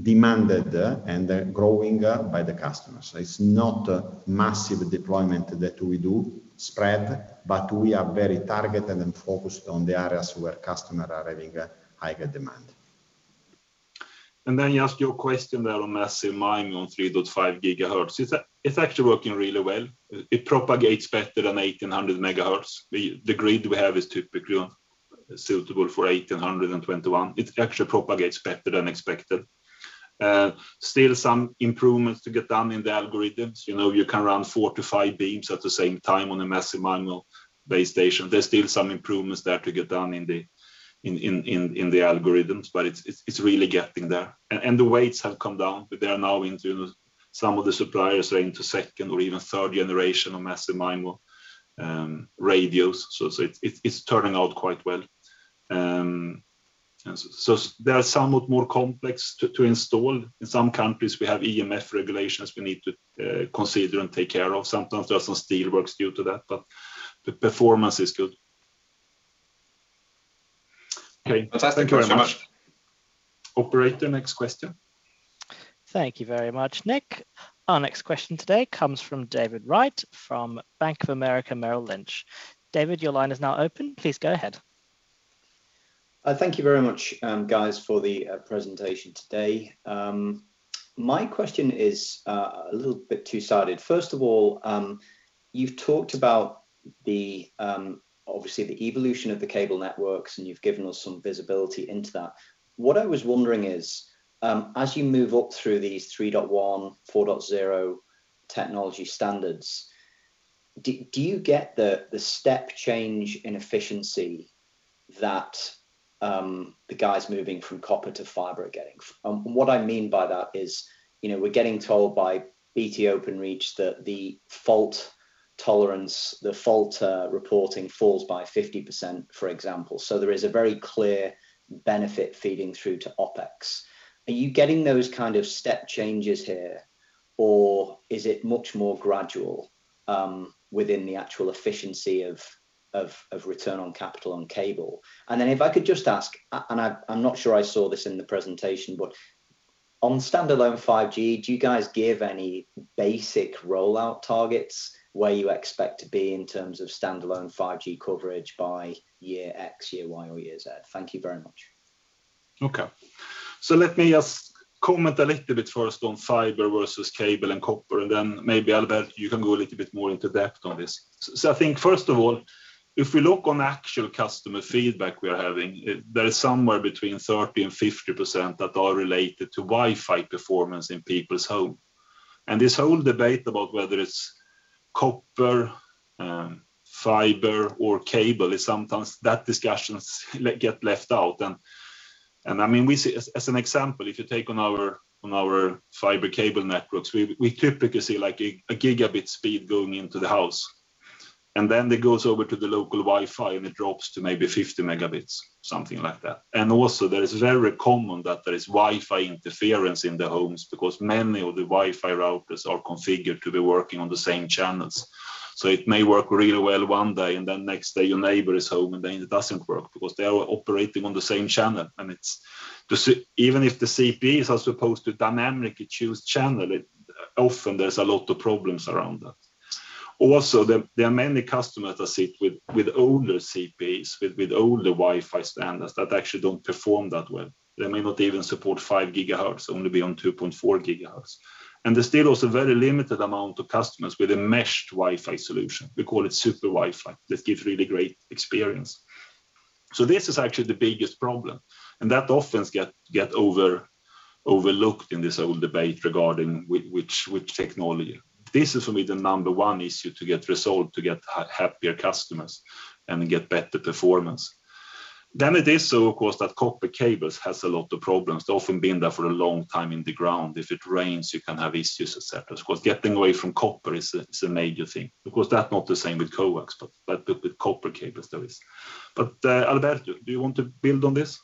demanded and growing by the customers. It's not a massive deployment that we do spread, but we are very targeted and focused on the areas where customers are having a higher demand. You ask your question there on Massive MIMO on 3.5 GHz. It's actually working really well. It propagates better than 1,800 MHz. The grid we have is typically suitable for 1,800 and 21. It actually propagates better than expected. Still some improvements to get done in the algorithms. You can run 4 to 5 beams at the same time on a Massive MIMO base station. There's still some improvements there to get done in the algorithms, it's really getting there. The weights have come down. They're now into some of the suppliers are into 2nd or even 3rd generation of Massive MIMO radios. It's turning out quite well. They are somewhat more complex to install. In some countries, we have EMF regulations we need to consider and take care of. Sometimes there are some steelworks due to that, but the performance is good. Thank you very much. Okay. Thank you very much. Operator, next question. Thank you very much, Nick. Our next question today comes from David Wright from Bank of America Merrill Lynch. David, your line is now open. Please go ahead. Thank you very much, guys, for the presentation today. My question is a little bit two-sided. First of all, you've talked about obviously the evolution of the cable networks, and you've given us some visibility into that. What I was wondering is, as you move up through these 3.1, 4.0 technology standards, do you get the step change in efficiency that the guys moving from copper to fiber are getting? What I mean by that is, we're getting told by BT Openreach that the fault tolerance, the fault reporting falls by 50%, for example. There is a very clear benefit feeding through to OpEx. Are you getting those kind of step changes here, or is it much more gradual within the actual efficiency of return on capital and cable? If I could just ask, I'm not sure I saw this in the presentation, but on standalone 5G, do you guys give any basic rollout targets where you expect to be in terms of standalone 5G coverage by year X, year Y, or year Z? Thank you very much. Okay. Let me just comment a little bit first on fiber versus cable and copper, then maybe, Alberto, you can go a little bit more into depth on this. I think, first of all, if we look on actual customer feedback we are having, there's somewhere between 30% and 50% that are related to Wi-Fi performance in people's home. This whole debate about whether it's copper, fiber, or cable, sometimes that discussion get left out. I mean, as an example, if you take on our fiber cable networks, we typically see like a gigabit speed going into the house, and then it goes over to the local Wi-Fi, and it drops to maybe 50 Mb, something like that. Also, that it's very common that there's Wi-Fi interference in the homes because many of the Wi-Fi routers are configured to be working on the same channels. It may work really well one day, and then next day your neighbor is home, and then it doesn't work because they are operating on the same channel. Even if the CPE is supposed to dynamically choose channel, often there's a lot of problems around that. There are many customers that sit with older CPEs, with older Wi-Fi standards that actually don't perform that well. They may not even support 5 GHz, only be on 2.4 GHz. There's still also a very limited amount of customers with a meshed Wi-Fi solution. We call it Super Wi-Fi. That gives really great experience. This is actually the biggest problem, and that often gets overlooked in this whole debate regarding which technology. This is for me, the number one issue to get resolved, to get happier customers and get better performance. It is so, of course, that copper cables has a lot of problems, often been there for a long time in the ground. If it rains, you can have issues, et cetera, because getting away from copper is a major thing, because that's not the same with coax, but with copper cables, that is. Alberto, do you want to build on this?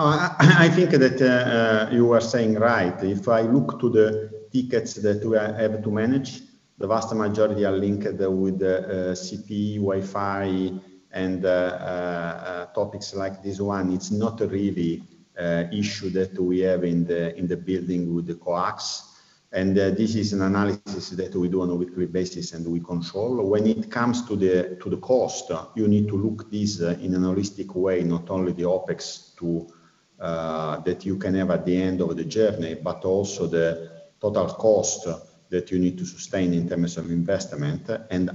I think that you are saying right. If I look to the tickets that we are having to manage, the vast majority are linked with CPE, Wi-Fi, and topics like this one. It's not really an issue that we have in the building with the coax. This is an analysis that we do on a weekly basis and we control. When it comes to the cost, you need to look at this in an holistic way, not only the OpEx that you can have at the end of the journey, but also the total cost that you need to sustain in terms of investment.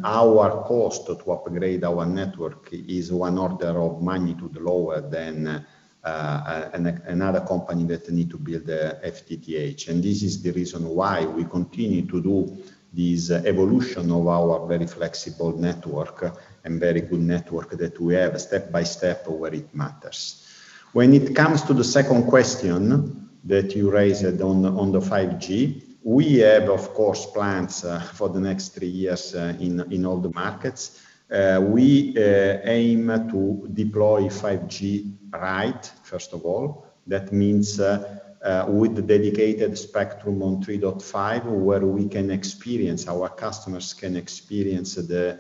Our cost to upgrade our network is one order of magnitude lower than another company that needs to build the FTTH. This is the reason why we continue to do this evolution of our very flexible network and very good network that we have step by step where it matters. When it comes to the second question that you raised on the 5G, we have, of course, plans for the next three years in all the markets. We aim to deploy 5G right, first of all. That means with dedicated spectrum on 3.5, where we can experience, our customers can experience the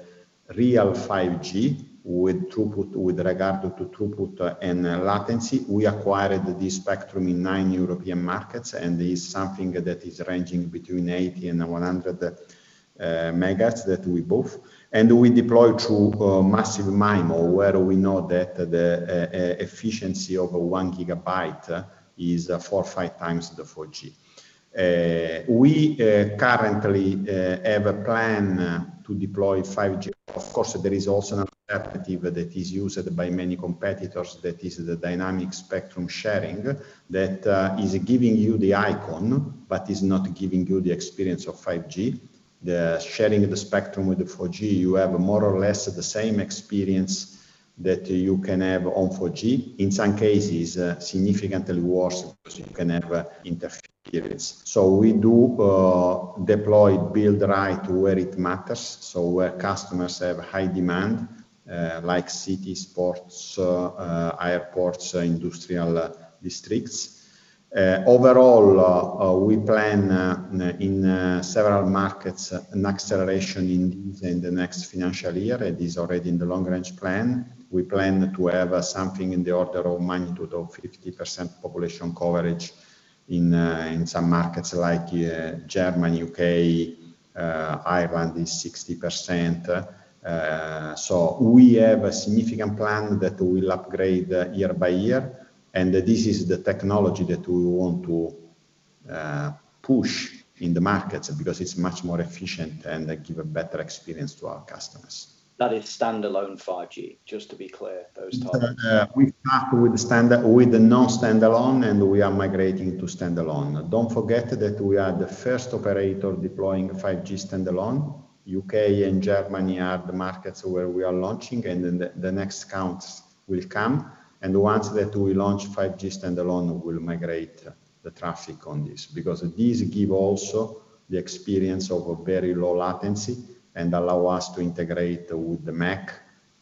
real 5G with regard to throughput and latency. We acquired this spectrum in nine European markets, it's something that is ranging between 80 and 100 MHz that we bought. We deploy through Massive MIMO, where we know that the efficiency of 1 Gb is 4x or 5x the 4G. We currently have a plan to deploy 5G. Of course, there is also an alternative that is used by many competitors. The dynamic spectrum sharing that is giving you the icon but is not giving you the experience of 5G. The sharing of the spectrum with the 4G, you have more or less the same experience that you can have on 4G. In some cases, significantly worse because you can have interference. We do deploy build right where it matters, where customers have high demand, like cities, ports, airports, industrial districts. Overall, we plan in several markets an acceleration in the next financial year. It is already in the long-range plan. We plan to have something in the order of magnitude of 50% population coverage in some markets like Germany, U.K. Ireland is 60%. We have a significant plan that we'll upgrade year by year. This is the technology that we want to push in the markets because it is much more efficient and give a better experience to our customers. That is standalone 5G, just to be clear those times. We start with the non-standalone, we are migrating to standalone. Don't forget that we are the first operator deploying 5G standalone. U.K. and Germany are the markets where we are launching, and the next counts will come. Once that we launch 5G standalone, we'll migrate the traffic on this because this give also the experience of a very low latency and allow us to integrate with the MEC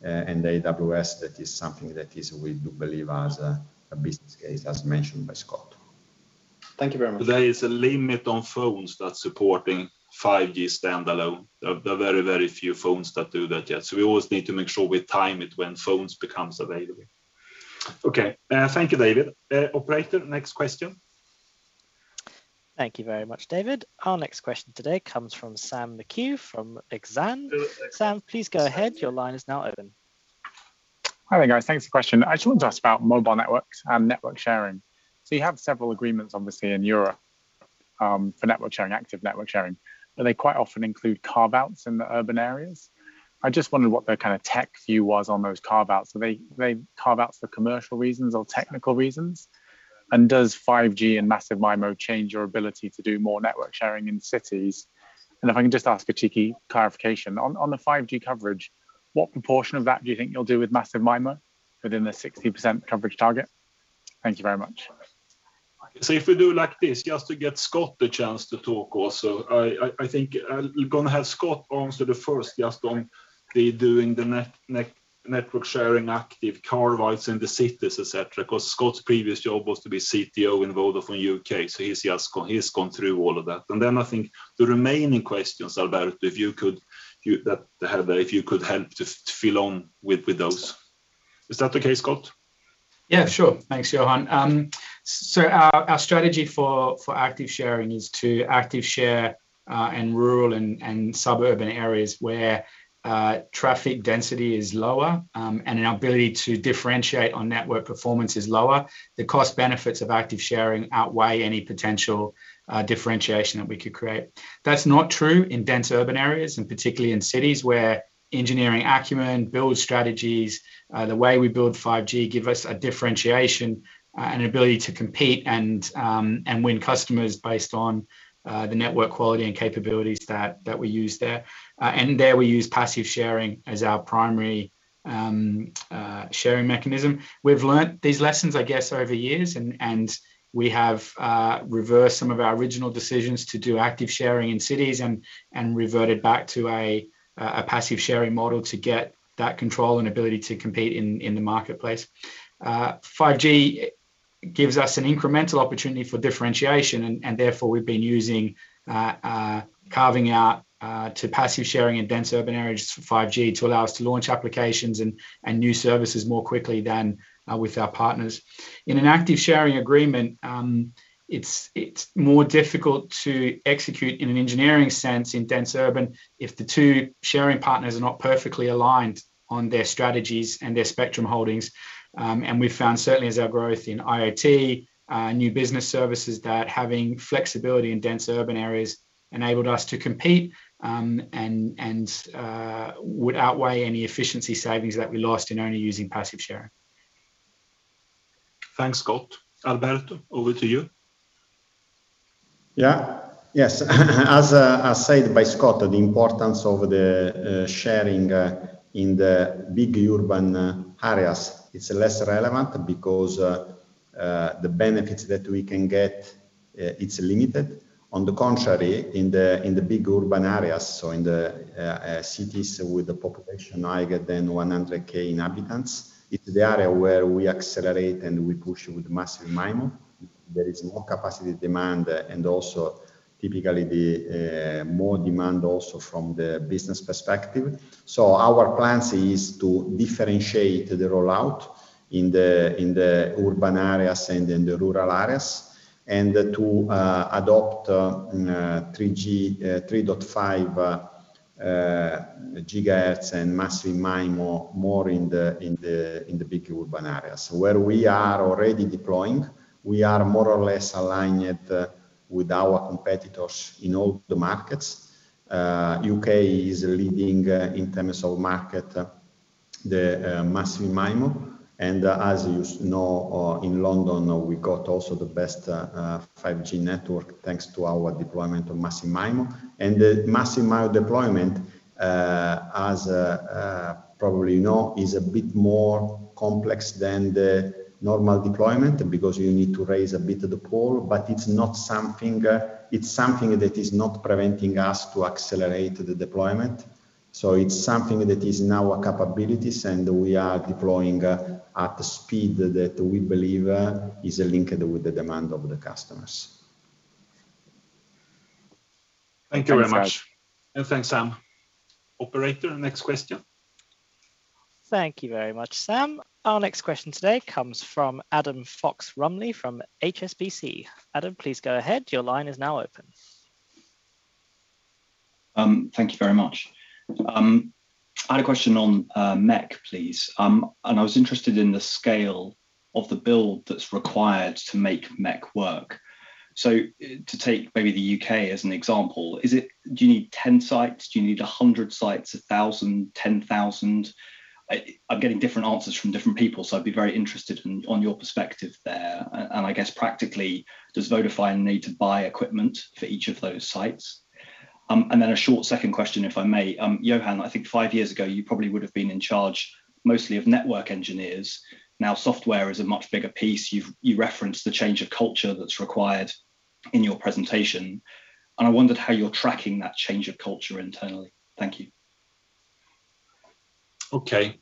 and AWS. That is something that we do believe as a business case, as mentioned by Scott. Thank you very much. There is a limit on phones that's supporting 5G standalone. There are very few phones that do that yet, so we always need to make sure we time it when phones becomes available. Okay. Thank you, David. Operator, next question. Thank you very much, David. Our next question today comes from Sam McHugh from Exane. Sam, please go ahead. Hi there, guys. Thanks for the question. I just wanted to ask about mobile networks and network sharing. You have several agreements, obviously, in Europe, for network sharing, active network sharing, but they quite often include carve-outs in the urban areas. I just wondered what the kind of tech view was on those carve-outs. Are they carve-outs for commercial reasons or technical reasons? Does 5G and Massive MIMO change your ability to do more network sharing in cities? If I can just ask a cheeky clarification. On the 5G coverage, what proportion of that do you think you'll do with Massive MIMO within the 60% coverage target? Thank you very much. If we do like this, just to give Scott the chance to talk also. I think we're going to have Scott answer the first, just on the doing the network sharing, active carve-outs in the cities, et cetera, because Scott's previous job was to be CTO in Vodafone UK, so he's gone through all of that. Then I think the remaining questions, Alberto, if you could help just fill on with those. Is that okay, Scott? Yeah, sure. Thanks, Johan. Our strategy for active sharing is to active share in rural and suburban areas where traffic density is lower and our ability to differentiate our network performance is lower. The cost benefits of active sharing outweigh any potential differentiation that we could create. That's not true in dense urban areas, and particularly in cities where engineering acumen, build strategies, the way we build 5G give us a differentiation, an ability to compete and win customers based on the network quality and capabilities that we use there. There we use passive sharing as our primary sharing mechanism. We've learned these lessons, I guess, over years, and we have reversed some of our original decisions to do active sharing in cities and reverted back to a passive sharing model to get that control and ability to compete in the marketplace. 5G gives us an incremental opportunity for differentiation, and therefore, we've been Carving out to passive sharing in dense urban areas for 5G to allow us to launch applications and new services more quickly than with our partners. In an active sharing agreement, it's more difficult to execute in an engineering sense in dense urban if the two sharing partners are not perfectly aligned on their strategies and their spectrum holdings. We've found certainly as our growth in IoT, new business services, that having flexibility in dense urban areas enabled us to compete, and would outweigh any efficiency savings that we lost in only using passive sharing. Thanks, Scott. Alberto, over to you. Yes. As said by Scott, the importance of the sharing in the big urban areas, it's less relevant because the benefits that we can get, it's limited. In the big urban areas, so in the cities with a population higher than 100K inhabitants, it's the area where we accelerate and we push with Massive MIMO. There is more capacity demand and also typically more demand also from the business perspective. Our plan is to differentiate the rollout in the urban areas and in the rural areas and to adopt 3.5 GHz and Massive MIMO more in the big urban areas. Where we are already deploying, we are more or less aligned with our competitors in all the markets. U.K. is leading in terms of market, the Massive MIMO. As you know, in London, we got also the best 5G network thanks to our deployment of Massive MIMO. The Massive MIMO deployment, as you probably know, is a bit more complex than the normal deployment because you need to raise a bit of the pole, but it's something that is not preventing us to accelerate the deployment. It's something that is in our capabilities, and we are deploying at the speed that we believe is linked with the demand of the customers. Thank you very much. Thanks, Sam. Operator, next question. Thank you very much, Sam. Our next question today comes from Adam Fox-Rumley from HSBC. Adam, please go ahead. Your line is now open. Thank you very much. I had a question on MEC, please. I was interested in the scale of the build that's required to make MEC work. To take maybe the U.K. as an example, do you need 10 sites? Do you need 100 sites, 1,000, 10,000? I'm getting different answers from different people, I'd be very interested in your perspective there. I guess practically, does Vodafone need to buy equipment for each of those sites? A short second question, if I may. Johan, I think five years ago, you probably would've been in charge mostly of network engineers. Now software is a much bigger piece. You referenced the change of culture that's required in your presentation. I wondered how you're tracking that change of culture internally. Thank you. Okay.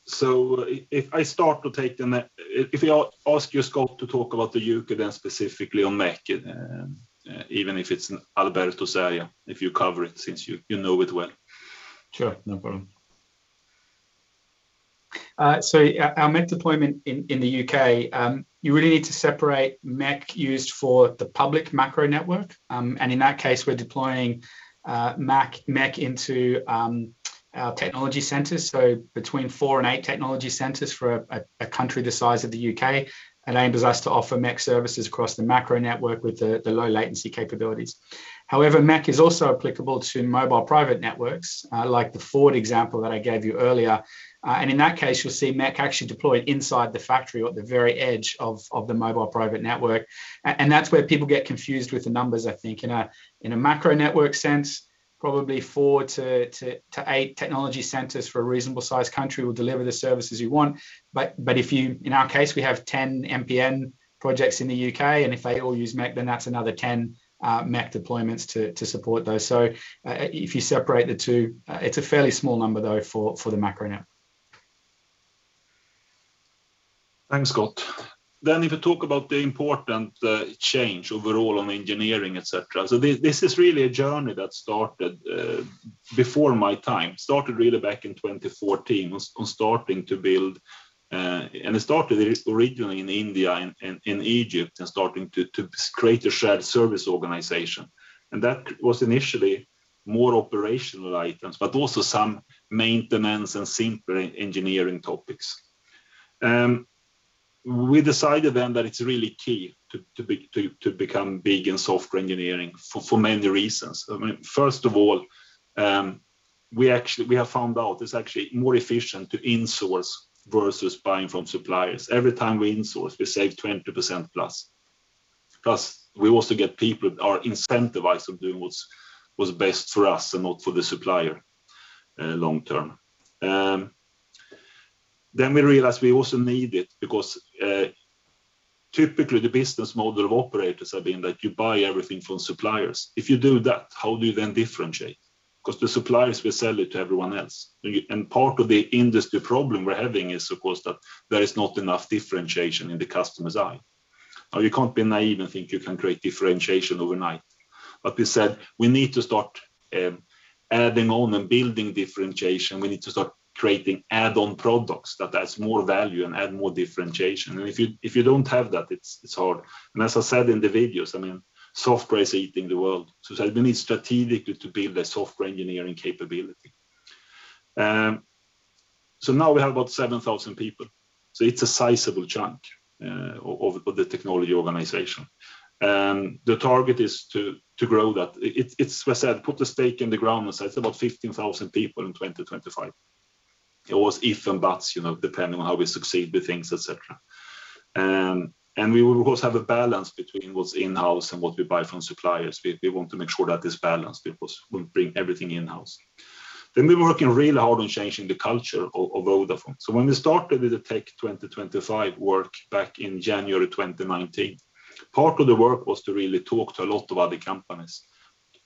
If I start to take the MEC, if I ask you, Scott, to talk about the U.K. then specifically on MEC, even if it's Alberto's area, if you cover it since you know it well. Sure. No problem. Our MEC deployment in the U.K., you would need to separate MEC used for the public macro network. In that case, we're deploying MEC into our technology centers, so between four and eight technology centers for a country the size of the U.K. It enables us to offer MEC services across the macro network with the low latency capabilities. However, MEC is also applicable to mobile private networks, like the Ford example that I gave you earlier. In that case, you'll see MEC actually deployed inside the factory or at the very edge of the mobile private network. That's where people get confused with the numbers, I think. In a macro network sense, probably four to eight technology centers for a reasonable size country will deliver the services you want. In our case, we have 10 MPN projects in the U.K., and if they all use MEC, then that's another 10 MEC deployments to support those. If you separate the two, it's a fairly small number though for the macro network. Thanks, Scott. If you talk about the important change overall of engineering, et cetera. This is really a journey that started before my time. Started really back in 2014 on starting to build. It started originally in India and in Egypt and starting to create a shared service organization. That was initially more operational items, but also some maintenance and simpler engineering topics. We decided then that it's really key to become big in software engineering for many reasons. First of all, we have found out it's actually more efficient to insource versus buying from suppliers. Every time we insource, we save 20%+. Plus we also get people that are incentivized of doing what's best for us and not for the supplier long term. We realized we also need it because typically the business model of operators have been that you buy everything from suppliers. If you do that, how do you then differentiate? The suppliers will sell it to everyone else. Part of the industry problem we're having is, of course, that there is not enough differentiation in the customer's eye. You can't be naive and think you can create differentiation overnight. We said we need to start adding on and building differentiation. We need to start creating add-on products that adds more value and add more differentiation. If you don't have that, it's hard. As I said in the videos, software is eating the world. You need strategically to build a software engineering capability. Now we have about 7,000 people. It's a sizable chunk of the technology organization. The target is to grow that. As I said, put a stake in the ground and say about 15,000 people in 2025. Always if and buts, depending on how we succeed with things, et cetera. We will, of course, have a balance between what's in-house and what we buy from suppliers. We want to make sure that it's balanced because we'll bring everything in-house. We're working really hard on changing the culture of Vodafone. When we started with the Tech 2025 work back in January 2019, part of the work was to really talk to a lot of other companies.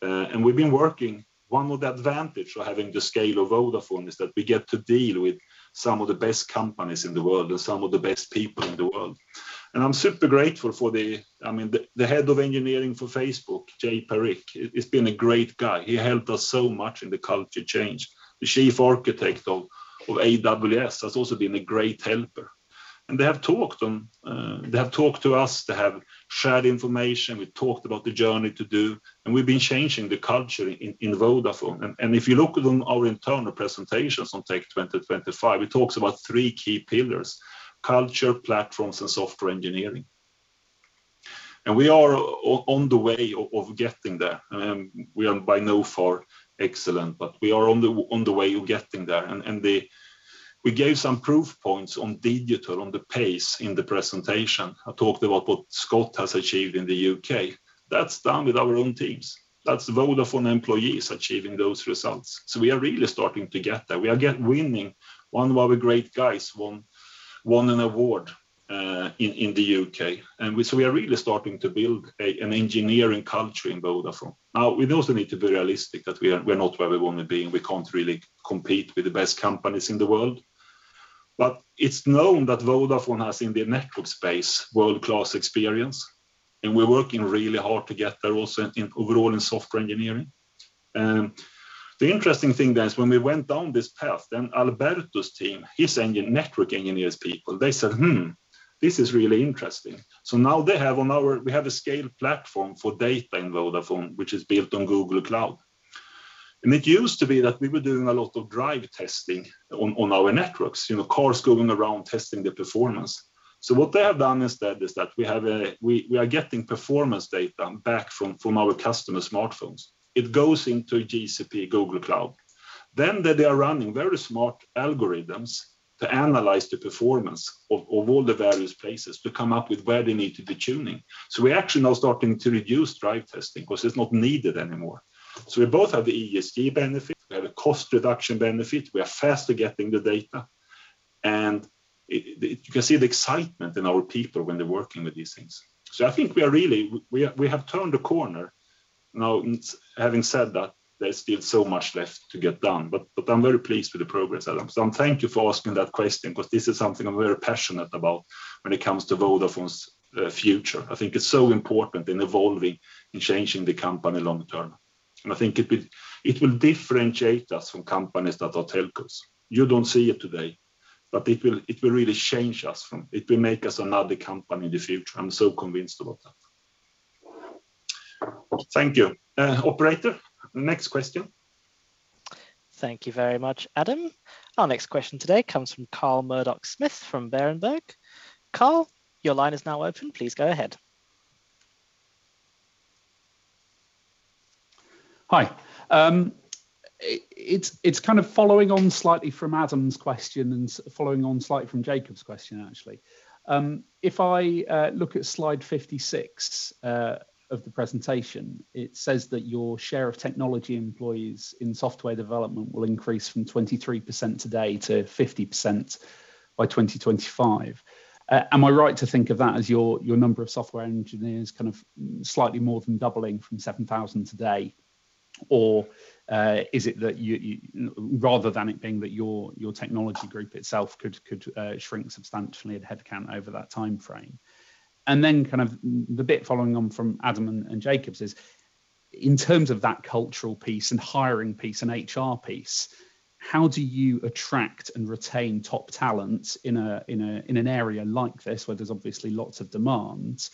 We've been working. One of the advantages of having the scale of Vodafone is that we get to deal with some of the best companies in the world and some of the best people in the world. I'm super grateful for the head of engineering for Facebook, Jay Parikh, he's been a great guy. He helped us so much in the culture change. The chief architect of AWS has also been a great helper. They have talked to us. They have shared information. We've talked about the journey to do, and we've been changing the culture in Vodafone. If you look at our internal presentations on Tech 2025, it talks about 3 key pillars, culture, platforms, and software engineering. We are on the way of getting there. We are by no far excellent, but we are on the way of getting there. We gave some proof points on digital, on the pace in the presentation. I talked about what Scott has achieved in the U.K. That's done with our own teams. That's Vodafone employees achieving those results. We are really starting to get there. We are winning. One of our great guys won an award in the U.K. We are really starting to build an engineering culture in Vodafone. We also need to be realistic that we're not where we want to be, and we can't really compete with the best companies in the world. It's known that Vodafone has, in the network space, world-class experience, and we're working really hard to get there also in overall in software engineering. The interesting thing is when we went down this path, then Alberto's team, his network engineers people, they said, "Hmm, this is really interesting." Now we have a scaled platform for data in Vodafone, which is built on Google Cloud. It used to be that we were doing a lot of drive testing on our networks, cars going around testing the performance. What they have done instead is that we are getting performance data back from our customer smartphones. It goes into GCP, Google Cloud. They are running very smart algorithms to analyze the performance of all the various places to come up with where they need to do tuning. We're actually now starting to reduce drive testing because it's not needed anymore. We both have the ESG benefit, we have a cost reduction benefit, we are faster getting the data, and you can see the excitement in our people when they're working with these things. I think we have turned a corner. Now, having said that, there's still so much left to get done, but I'm very pleased with the progress, Adam. Thank you for asking that question because this is something I'm very passionate about when it comes to Vodafone's future. I think it's so important in evolving, in changing the company long-term. I think it will differentiate us from companies that are telcos. You don't see it today, but it will really change us. It will make us another company in the future. I'm so convinced about that. Thank you. Operator, next question. Thank you very much, Adam. Our next question today comes from Carl Murdock-Smith from Berenberg. Carl, your line is now open. Please go ahead. Hi. It's kind of following on slightly from Adam's question and following on slightly from Jakob's question, actually. If I look at slide 56 of the presentation, it says that your share of technology employees in software development will increase from 23% today to 50% by 2025. Am I right to think of that as your number of software engineers kind of slightly more than doubling from 7,000 today? Or is it that rather than anything that your technology group itself could shrink substantially of headcount over that timeframe? Then kind of the bit following on from Adam and Jakob's is, in terms of that cultural piece and hiring piece and HR piece, how do you attract and retain top talent in an area like this where there's obviously lots of demand?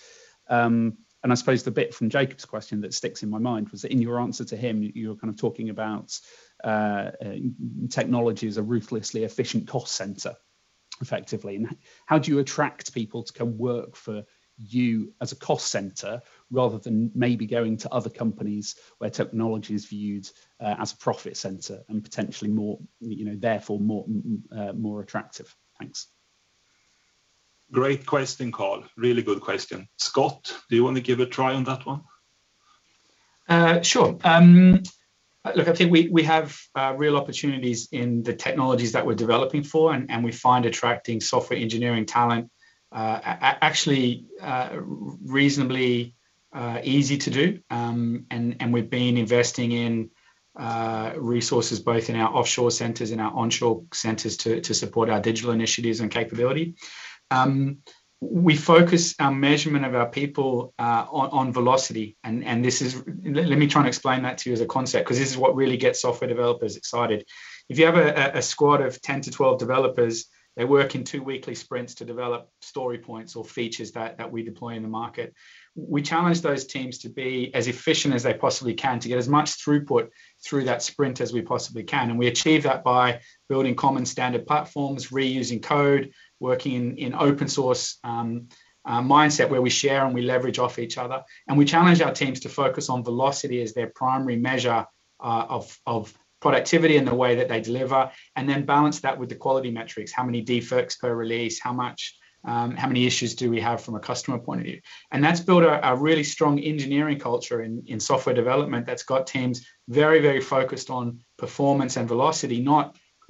I suppose the bit from Jakob's question that sticks in my mind was in your answer to him, you were kind of talking about technology as a ruthlessly efficient cost center, effectively. How do you attract people to come work for you as a cost center rather than maybe going to other companies where technology is viewed as profit center and potentially therefore more attractive? Thanks. Great question, Carl. Really good question. Scott, do you want to give a try on that one? Sure. Look, I think we have real opportunities in the technologies that we're developing for, and we find attracting software engineering talent actually reasonably easy to do. We've been investing in resources both in our offshore centers and our onshore centers to support our digital initiatives and capability. We focus our measurement of our people on velocity, and let me try and explain that to you as a concept, because this is what really gets software developers excited. If you have a squad of 10-12 developers, they work in two weekly sprints to develop story points or features that we deploy in the market. We challenge those teams to be as efficient as they possibly can, to get as much throughput through that sprint as we possibly can. We achieve that by building common standard platforms, reusing code, working in open source mindset where we share and we leverage off each other. We challenge our teams to focus on velocity as their primary measure of productivity and the way that they deliver, and then balance that with the quality metrics. How many defects per release? How many issues do we have from a customer point of view? That's built a really strong engineering culture in software development that's got teams very focused on performance and velocity,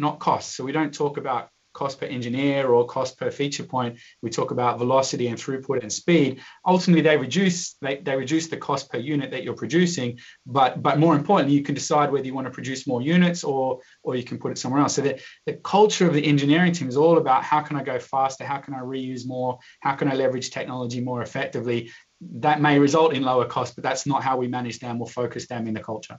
not cost. We don't talk about cost per engineer or cost per feature point. We talk about velocity and throughput and speed. Ultimately, they reduce the cost per unit that you're producing, but more importantly, you can decide whether you want to produce more units or you can put it somewhere else. The culture of the engineering team is all about how can I go faster, how can I reuse more, how can I leverage technology more effectively? That may result in lower cost, but that's not how we manage them or focus them in the culture.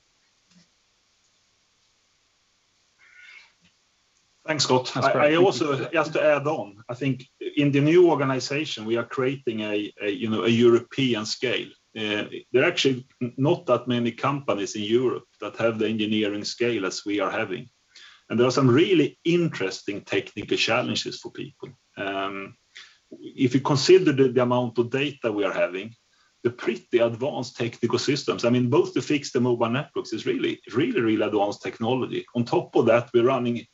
Thanks, Scott. I also have to add on, I think in the new organization, we are creating a European scale. There are actually not that many companies in Europe that have the engineering scale as we are having. There are some really interesting technical challenges for people. If you consider the amount of data we are having, the pretty advanced technical systems, both to fix the mobile networks, it's really advanced technology. On top of that, we're running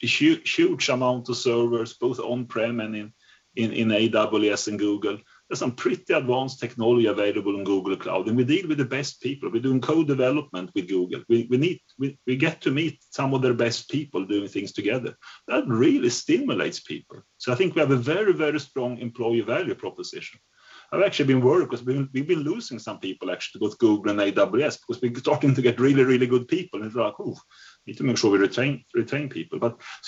huge amounts of servers, both on-prem and in AWS and Google. There's some pretty advanced technology available in Google Cloud. We deal with the best people. We're doing co-development with Google. We get to meet some of their best people doing things together. That really stimulates people. I think we have a very strong employee value proposition. I've actually been worried because we've been losing some people actually to both Google and AWS because we're starting to get really good people, and it's like, "Oh, we need to make sure we retain people."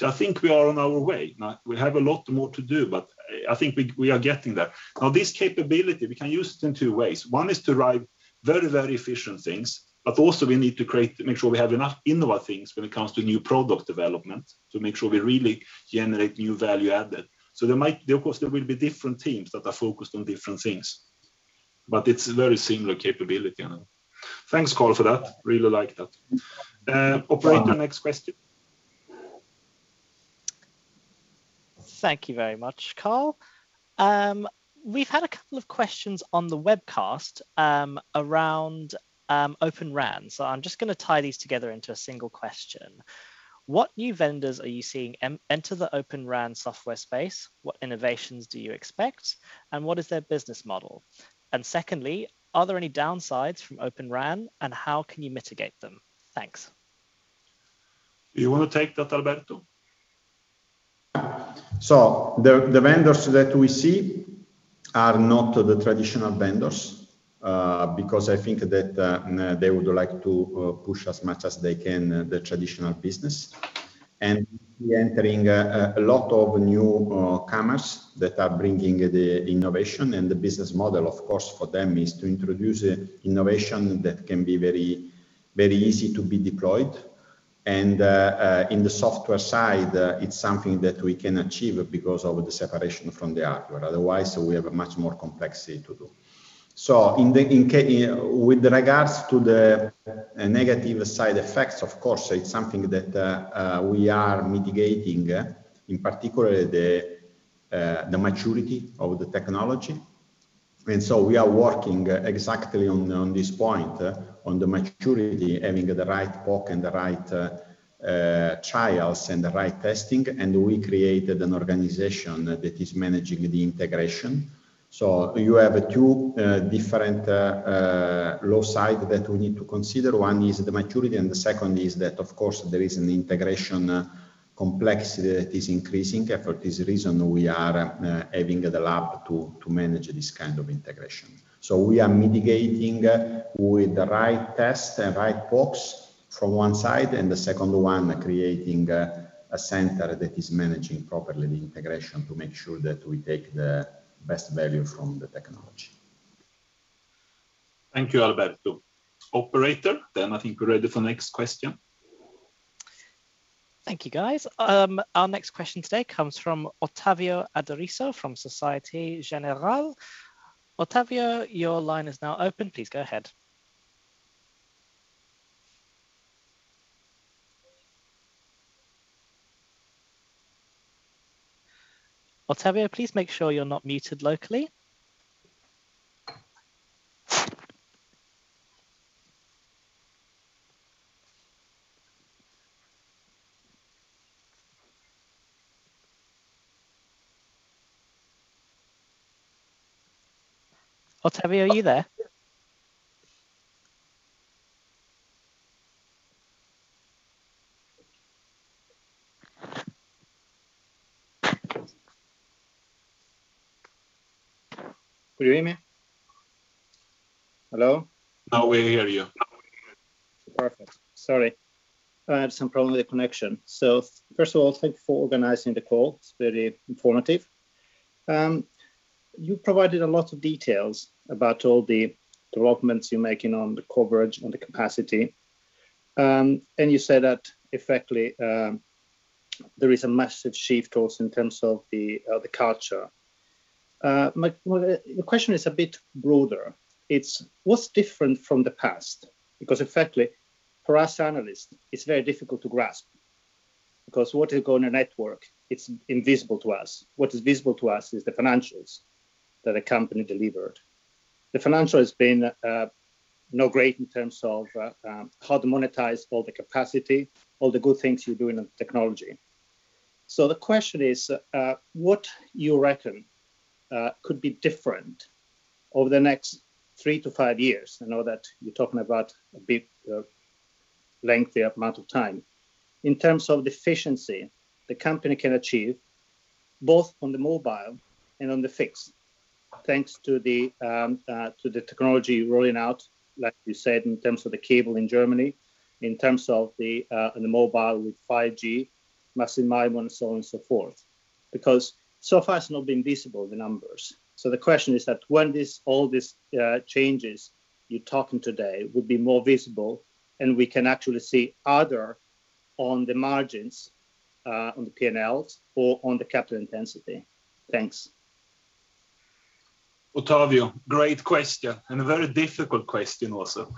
I think we are on our way. We have a lot more to do, but I think we are getting there. Now, this capability, we can use this in two ways. One is to drive very efficient things, but also we need to make sure we have enough innovate things when it comes to new product development to make sure we really generate new value added. Of course, there will be different teams that are focused on different things, but it's a very similar capability. Thanks, Carl, for that. Really like that. Operator, next question. Thank you very much, Carl. We've had a couple of questions on the webcast around Open RAN, so I'm just going to tie these together into a single question. What new vendors are you seeing enter the Open RAN software space? What innovations do you expect, and what is their business model? Secondly, are there any downsides from Open RAN, and how can you mitigate them? Thanks. You want to take that, Alberto? The vendors that we see are not the traditional vendors, because I think that they would like to push as much as they can the traditional business, and we are entering a lot of newcomers that are bringing the innovation. The business model, of course, for them is to introduce innovation that can be very easy to be deployed. In the software side, it's something that we can achieve because of the separation from the hardware. Otherwise, we have a much more complexity to do. With regards to the negative side effects, of course, it's something that we are mitigating, in particular the maturity of the technology. We are working exactly on this point, on the maturity, having the right PoC and the right trials and the right testing, and we created an organization that is managing the integration. You have 2 different downsides that we need to consider. 1 is the maturity, and the second is that, of course, there is an integration complexity that is increasing. For this reason, we are adding the lab to manage this kind of integration. We are mitigating with the right test and right PoCs from one side, and the second one, creating a center that is managing properly the integration to make sure that we take the best value from the technology. Thank you, Alberto. Operator, I think we're ready for the next question. Thank you, guys. Our next question today comes from Ottavio Adorisio from Societe Generale. Ottavio, your line is now open. Please go ahead. Ottavio, please make sure you are not muted locally. Ottavio, are you there? Can you hear me? Hello? Now we hear you. Perfect. Sorry. I had some problem with the connection. First of all, thank you for organizing the call. It's very informative. You provided a lot of details about all the developments you're making on the coverage and the capacity. You said that effectively, there is a massive shift also in terms of the culture. My question is a bit broader. It's what's different from the past? Effectively for us analysts, it's very difficult to grasp because what is going on in a network, it's invisible to us. What is visible to us is the financials that a company delivered. The financial has been not great in terms of how to monetize all the capacity, all the good things you're doing on technology. The question is, what you reckon could be different over the next three-five years? I know that you're talking about a big, lengthy amount of time. In terms of the efficiency the company can achieve, both on the mobile and on the fixed, thanks to the technology rolling out, like you said, in terms of the cable in Germany, in terms of the mobile with 5G, Massive MIMO and so on and so forth. So far it's not been visible, the numbers. The question is that when all these changes you're talking today will be more visible and we can actually see either on the margins, on the P&Ls or on the capital intensity. Thanks. Ottavio, great question, and a very difficult question also.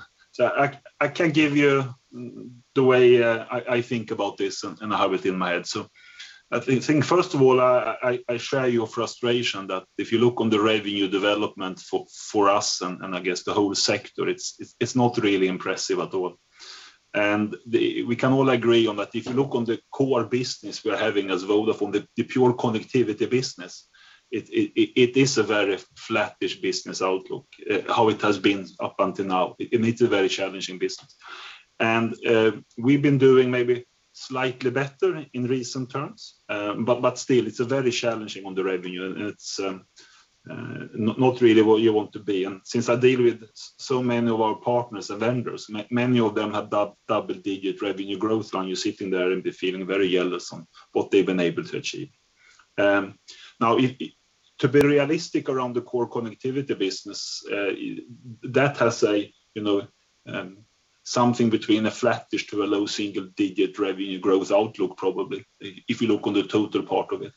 I can give you the way I think about this and have it in my head. I think, first of all, I share your frustration that if you look on the revenue development for us and I guess the whole sector, it's not really impressive at all. We can all agree on that if you look on the core business we're having as Vodafone, the pure connectivity business, it is a very flattish business outlook, how it has been up until now. It's a very challenging business. We've been doing maybe slightly better in recent terms. Still, it's very challenging on the revenue, and it's not really what you want to be in. Since I deal with so many of our partners and vendors, many of them have double-digit revenue growth and you're sitting there and be feeling very jealous on what they've been able to achieve. To be realistic around the core connectivity business, that has something between a flattish to a low single-digit revenue growth outlook probably, if you look on the total part of it.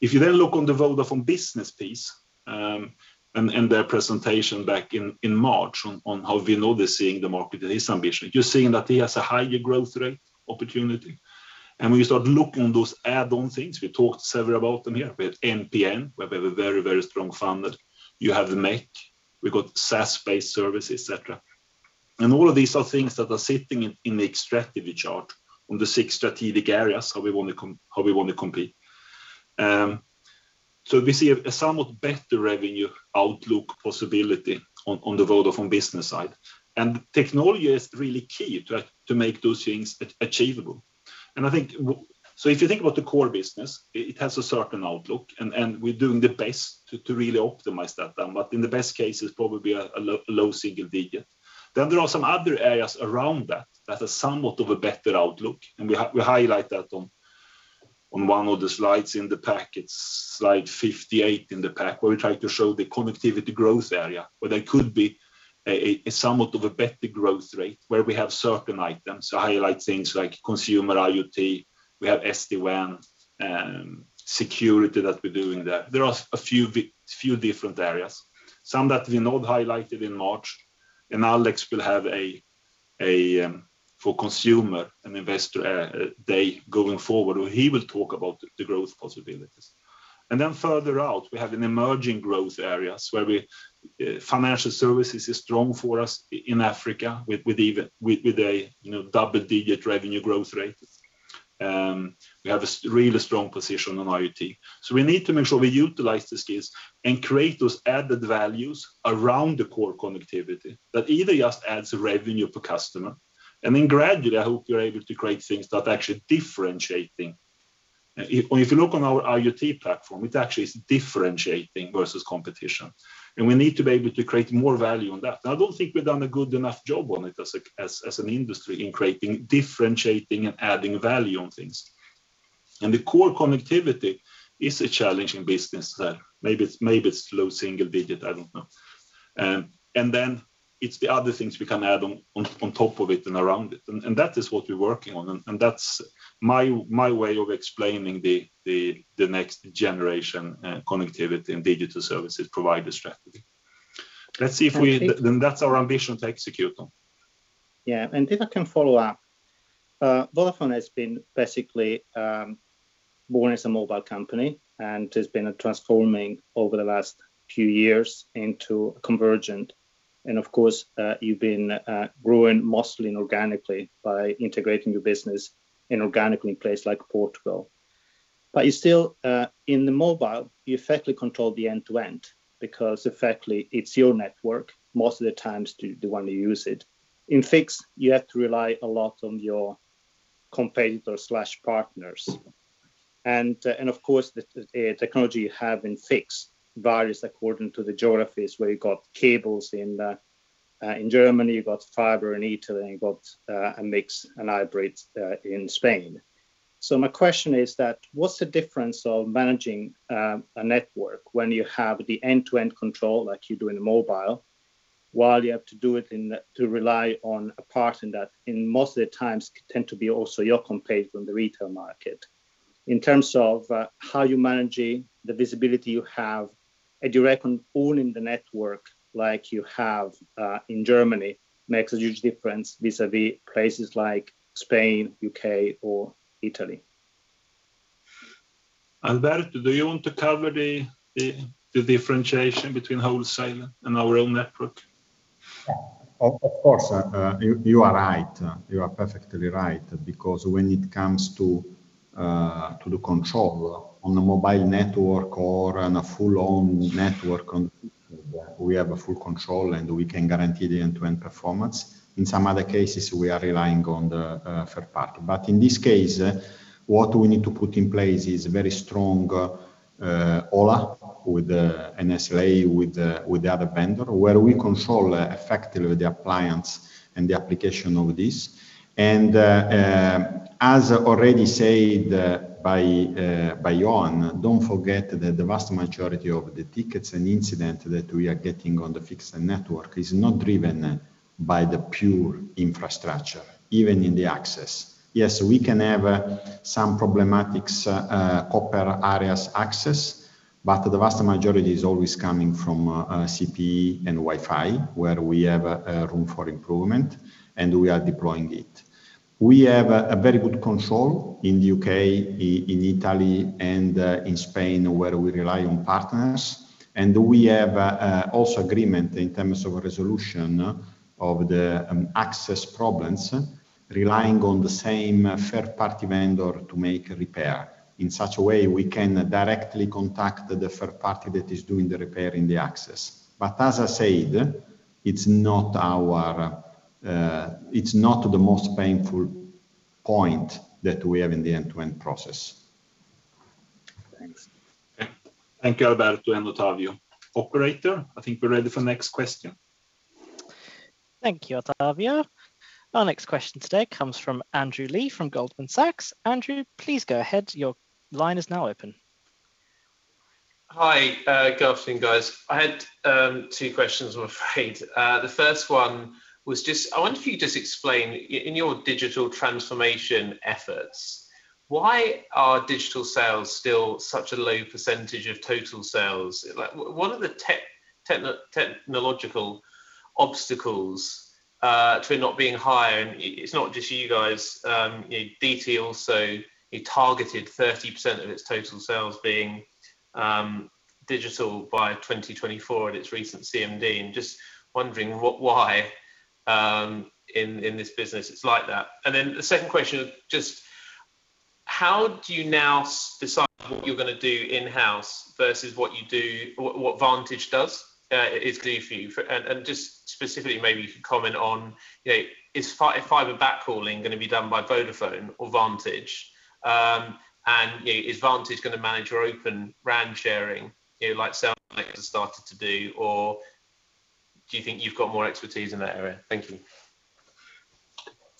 If you look on the Vodafone Business piece, and their presentation back in March on how Vinod is seeing the market and his ambition, you're seeing that he has a higher growth rate opportunity. We start looking at those add-on things. We talked several about them here. We have MPN, where they're very, very strong funded. You have MEC, we've got SaaS-based services, et cetera. All of these are things that are sitting in the strategy chart on the six strategic areas, how we want to compete. We see a somewhat better revenue outlook possibility on the Vodafone Business side. Technology is really key to make those things achievable. I think, if you think about the core business, it has a certain outlook, and we're doing the best to really optimize that. In the best case, it's probably a low single digit. There are some other areas around that has somewhat of a better outlook, and we highlight that on one of the slides in the pack. It's slide 58 in the pack, where we try to show the connectivity growth area, where there could be a somewhat of a better growth rate where we have certain items to highlight things like consumer IoT. We have SD-WAN and security that we're doing there. There are a few different areas, some that we not highlighted in March, and Alex will have a, for consumer, an investor day going forward where he will talk about the growth possibilities. Further out, we have an emerging growth areas where financial services is strong for us in Africa with a double-digit revenue growth rate. We have a really strong position on IoT. We need to make sure we utilize the skills and create those added values around the core connectivity that either just adds a revenue per customer, and then gradually, I hope we are able to create things that actually differentiating. If you look on our IoT platform, it actually is differentiating versus competition, and we need to be able to create more value on that. I don't think we've done a good enough job on it as an industry in creating differentiating and adding value on things. The core connectivity is a challenging business there. Maybe it's low single digit, I don't know. Then it's the other things we can add on top of it and around it. That is what we're working on, and that's my way of explaining the next generation connectivity and digital services provider strategy. That's our ambition to execute on. Yeah. If I can follow up, Vodafone has been basically born as a mobile company, and it has been transforming over the last few years into a convergent. Of course, you've been growing mostly organically by integrating the business inorganically in places like Portugal. But you still, in the mobile, you effectively control the end-to-end because effectively it's your network most of the times the one you use it. In fixed, you have to rely a lot on your competitor/partners. Of course, the technology you have in fixed varies according to the geographies where you've got cables in Germany, you've got fiber in Italy, and you've got a mix, a hybrid in Spain. My question is that what's the difference of managing a network when you have the end-to-end control like you do in mobile, while you have to do it and to rely on a partner that in most of the times tend to be also your competitor on the retail market? In terms of how you manage it, the visibility you have, I'd reckon owning the network like you have in Germany makes a huge difference vis-a-vis places like Spain, U.K., or Italy. Alberto, do you want to cover the differentiation between wholesale and our own network? Of course. You are right. You are perfectly right because when it comes to the control on a mobile network or on a full-on network, we have full control, and we can guarantee the end-to-end performance. In some other cases, we are relying on the third party. In this case, what we need to put in place is very strong OLA with an SLA with the other vendor where we control effectively the appliance and the application of this. As already said by Johan, don't forget that the vast majority of the tickets and incident that we are getting on the fixed network is not driven by the pure infrastructure, even in the access. Yes, we can have some problematic copper areas access, but the vast majority is always coming from CPE and Wi-Fi where we have room for improvement, and we are deploying it. We have a very good control in the U.K., in Italy, and in Spain where we rely on partners, and we have also agreement in terms of resolution of the access problems relying on the same third-party vendor to make repair. In such a way, we can directly contact the third party that is doing the repair in the access. As I said, it's not the most painful point that we have in the end-to-end process. Thanks. Thank you, Alberto and Ottavio. Operator, I think we're ready for the next question. Thank you, Ottavio. Our next question today comes from Andrew Lee from Goldman Sachs. Andrew, please go ahead. Your line is now open. Hi. Good afternoon, guys. I had 2 questions, I'm afraid. The first one was just I wonder if you could just explain, in your digital transformation efforts, why are digital sales still such a low percentage of total sales? What are the technological obstacles to it not being higher? It's not just you guys. DT also targeted 30% of its total sales being digital by 2024 at its recent CMD, just wondering why in this business it's like that. Then the second question is just how do you now decide what you're going to do in-house versus what Vantage does, if anything? Just specifically maybe you can comment on is fiber backhauling going to be done by Vodafone or Vantage? Is Vantage going to manage your Open RAN sharing, like Cellnex has started to do, or do you think you've got more expertise in that area? Thank you.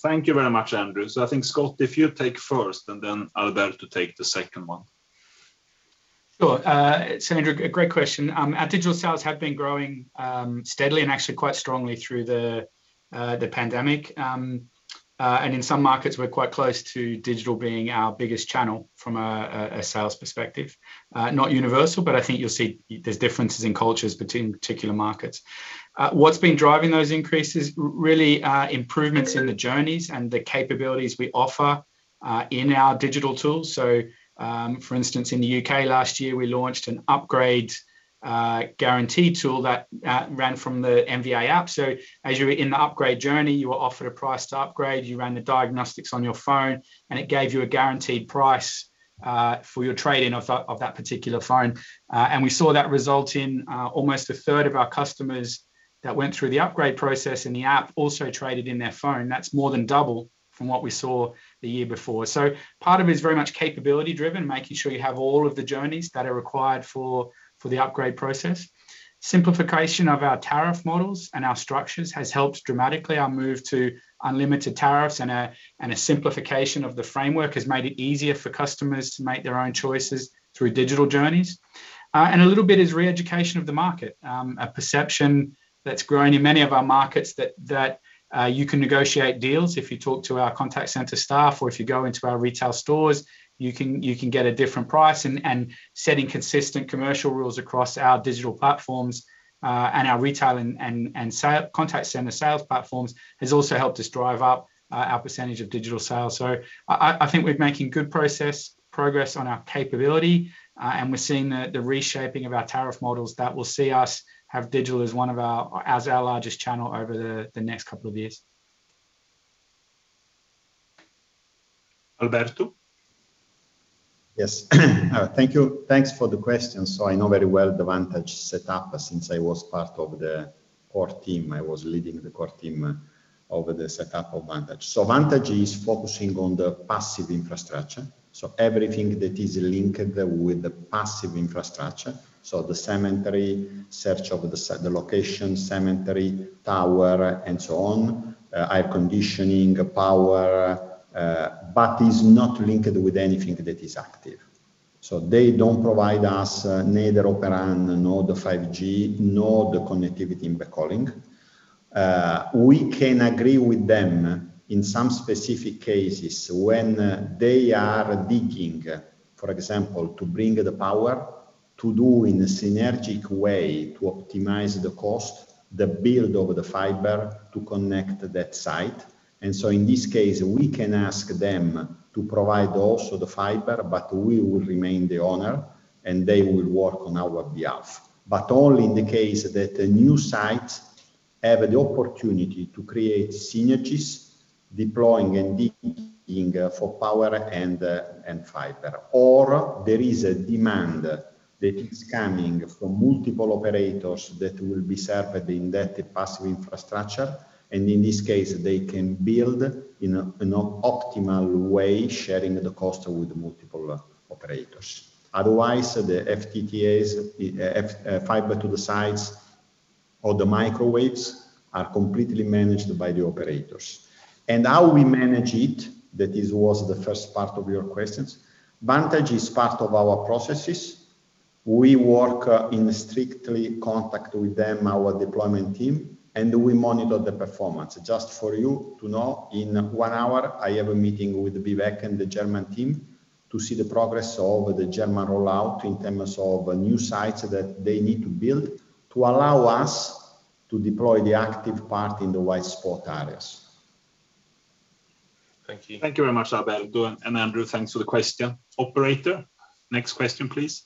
Thank you very much, Andrew. I think, Scott, if you take first and then Alberto take the second one. Sure. Andrew, great question. Our digital sales have been growing steadily and actually quite strongly through the pandemic. In some markets, we're quite close to digital being our biggest channel from a sales perspective. Not universal, I think you'll see there's differences in cultures between particular markets. What's been driving those increases really are improvements in the journeys and the capabilities we offer in our digital tools. For instance, in the U.K. last year, we launched an upgrade guarantee tool that ran from the MVA app. As you're in an upgrade journey, you were offered a priced upgrade, you ran the diagnostics on your phone, and it gave you a guaranteed price for your trade-in of that particular phone. We saw that result in almost a third of our customers that went through the upgrade process in the app also traded in their phone. That's more than double from what we saw the year before. Part of it is very much capability driven, making sure you have all of the journeys that are required for the upgrade process. Simplification of our tariff models and our structures has helped dramatically. Our move to unlimited tariffs and a simplification of the framework has made it easier for customers to make their own choices through digital journeys. A little bit is reeducation of the market. A perception that's grown in many of our markets that you can negotiate deals if you talk to our contact center staff or if you go into our retail stores, you can get a different price. Setting consistent commercial rules across our digital platforms and our retail and contact center sales platforms has also helped us drive up our percentage of digital sales. I think we're making good progress on our capability, and we're seeing the reshaping of our tariff models that will see us have digital as our largest channel over the next couple years. Alberto? Yes. Thank you. Thanks for the question. I know very well the Vantage setup since I was part of the core team. I was leading the core team of the setup of Vantage. Vantage is focusing on the passive infrastructure, everything that is linked with the passive infrastructure, the ancillary, search of the location, ancillary, tower, and so on, air conditioning, power, but is not linked with anything that is active. They don't provide us neither Open RAN, nor the 5G, nor the connectivity in the calling. We can agree with them in some specific cases when they are digging, for example, to bring the power to do in a synergic way to optimize the cost, the build of the fiber to connect that site. In this case, we can ask them to provide also the fiber, but we will remain the owner, and they will work on our behalf. Only in the case that the new sites have the opportunity to create synergies, deploying and digging for power and fiber. There is a demand that is coming from multiple operators that will be served in that passive infrastructure, and in this case, they can build in an optimal way, sharing the cost with multiple operators. The FTTS, fiber to the sites, or the microwaves are completely managed by the operators. How we manage it, that this was the first part of your questions, Vantage is part of our processes. We work in strictly contact with them, our deployment team, and we monitor the performance. Just for you to know, in one hour, I have a meeting with Vivek and the German team to see the progress of the German rollout in terms of new sites that they need to build to allow us to deploy the active part in the white spot areas. Thank you. Thank you very much, Alberto. Andrew, thanks for the question. Operator, next question, please.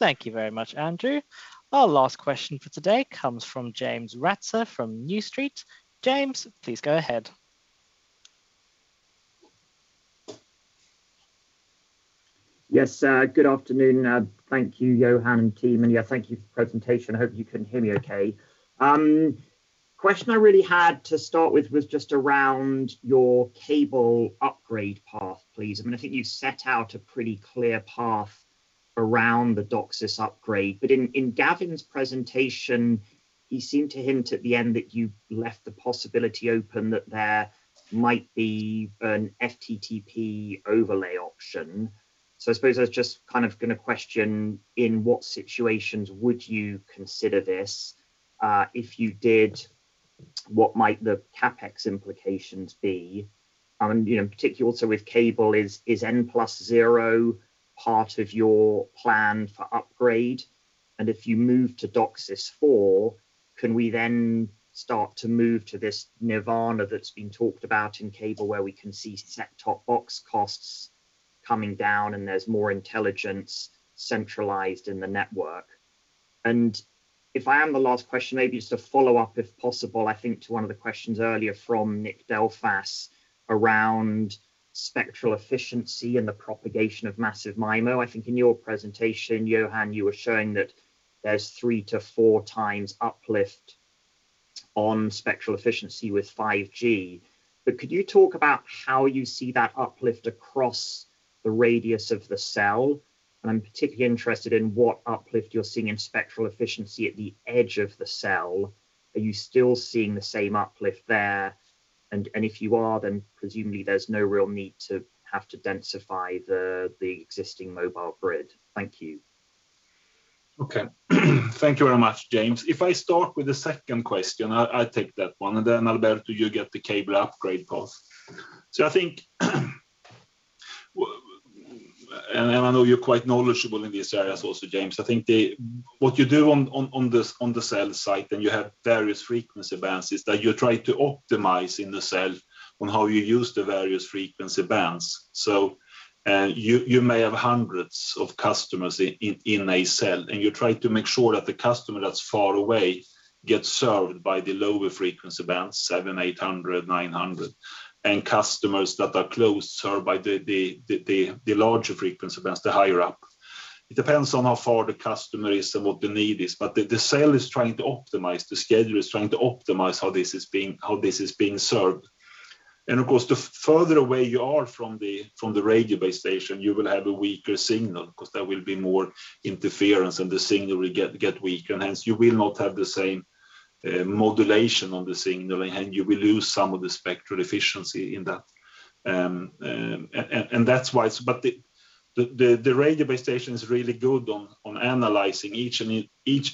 Thank you very much, Andrew. Our last question for today comes from James Ratzer from New Street. James, please go ahead. Yes, good afternoon. Thank you, Johan and team. Yeah, thank you for the presentation. I hope you can hear me okay. Question I really had to start with was just around your cable upgrade path, please. I think you set out a pretty clear path around the DOCSIS upgrade. In Gavin's presentation, he seemed to hint at the end that you left the possibility open that there might be an FTTB overlay option. I suppose I was just kind of going to question in what situations would you consider this? If you did, what might the CapEx implications be? In particular also with cable, is N+0 part of your plan for upgrade? If you move to DOCSIS 4, can we then start to move to this nirvana that's been talked about in cable where we can see set-top box costs coming down, and there's more intelligence centralized in the network? If I have a last question, maybe just to follow up, if possible, I think to one of the questions earlier from Nick Delfas around spectral efficiency and the propagation of Massive MIMO. I think in your presentation, Johan, you were showing that there's 3 to 4 times uplift on spectral efficiency with 5G. Could you talk about how you see that uplift across the radius of the cell? I'm particularly interested in what uplift you're seeing in spectral efficiency at the edge of the cell. Are you still seeing the same uplift there? If you are, then presumably there's no real need to have to densify the existing mobile grid. Thank you. Thank you very much, James. If I start with the second question, I'll take that one. Alberto, you get the cable upgrade cost. I know you're quite knowledgeable in these areas also, James. I think what you do on the cell site, and you have various frequency bands, is that you try to optimize in the cell on how you use the various frequency bands. You may have hundreds of customers in a cell, and you try to make sure that the customer that's far away gets served by the lower frequency bands, 700, 800, 900, and customers that are close served by the larger frequency bands, the higher up. It depends on how far the customer is and what the need is. The cell is trying to optimize, the schedule is trying to optimize how this is being served. Of course, the further away you are from the radio base station, you will have a weaker signal because there will be more interference, and the signal will get weaker. Hence, you will not have the same modulation on the signal, and you will lose some of the spectral efficiency in that. The radio base station is really good on analyzing each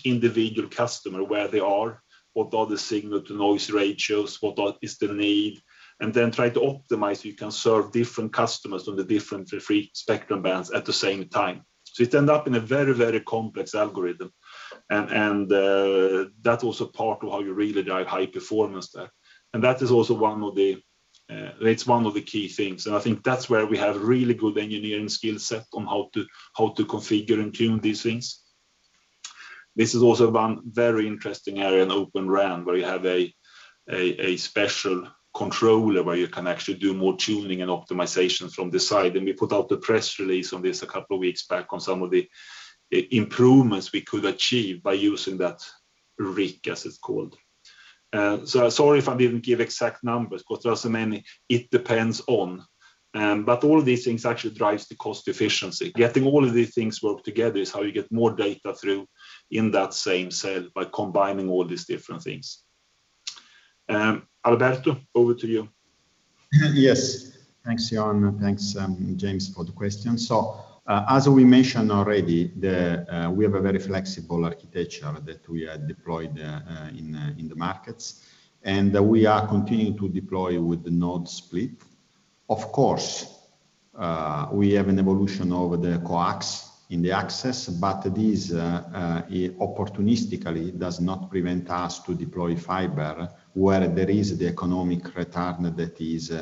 individual customer, where they are, what are the signal-to-noise ratios, what is the need, and then try to optimize it can serve different customers on the different spectrum bands at the same time. It end up in a very, very complex algorithm, and that's also part of how you really drive high performance there. That is also one of the key things, and I think that is where we have really good engineering skill set on how to configure and tune these things. This is also one very interesting area in Open RAN, where you have a special controller where you can actually do more tuning and optimization from the side. We put out the press release on this a couple of weeks back on some of the improvements we could achieve by using that RIC, as it's called. Sorry if I didn't give exact numbers, but there are so many it depends on. All these things actually drives the cost efficiency. Getting all of these things work together is how you get more data through in that same cell by combining all these different things. Alberto, over to you. Yes. Thanks, Johan, and thanks, James, for the question. As we mentioned already, we have a very flexible architecture that we have deployed in the markets, and we are continuing to deploy with the node split. Of course, we have an evolution over the coax in the access, but this opportunistically does not prevent us to deploy fiber where there is the economic return that is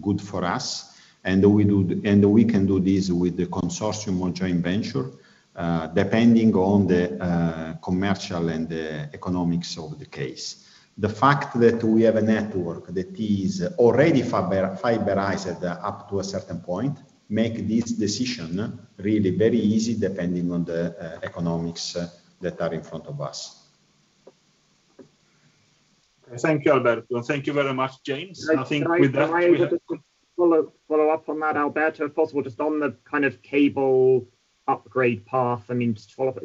good for us. We can do this with the consortium on joint venture, depending on the commercial and the economics of the case. The fact that we have a network that is already fiberized up to a certain point, make this decision really very easy depending on the economics that are in front of us. Thank you, Alberto. Thank you very much, James. Nothing further. Can I just follow up on that, Alberto, if possible, just on the cable upgrade path. Is Network on Chip part of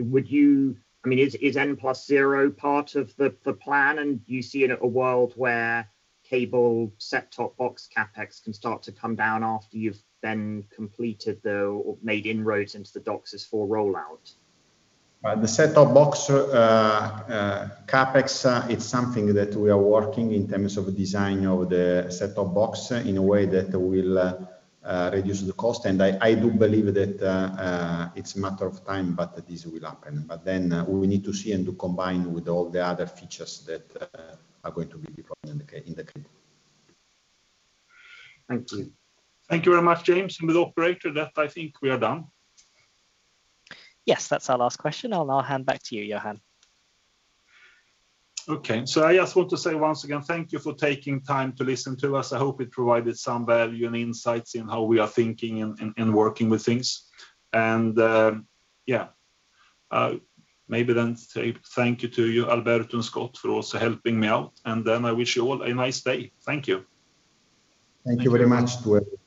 the plan? Do you see a world where cable set-top box CapEx can start to come down after you've then completed the, or made inroads into the DOCSIS 4 rollout? The set-top box CapEx, it's something that we are working in terms of design of the set-top box in a way that will reduce the cost. I do believe that it's a matter of time, but this will happen. We need to see and to combine with all the other features that are going to be deployed in the future. Thank you. Thank you very much, James, from the operator. That I think we are done. Yes, that's our last question. I'll hand back to you, Johan. Okay. I just want to say once again, thank you for taking time to listen to us. I hope it provided some value and insights in how we are thinking and working with things. Maybe say thank you to you, Alberto and Scott, for also helping me out. I wish you all a nice day. Thank you. Thank you very much. Goodbye.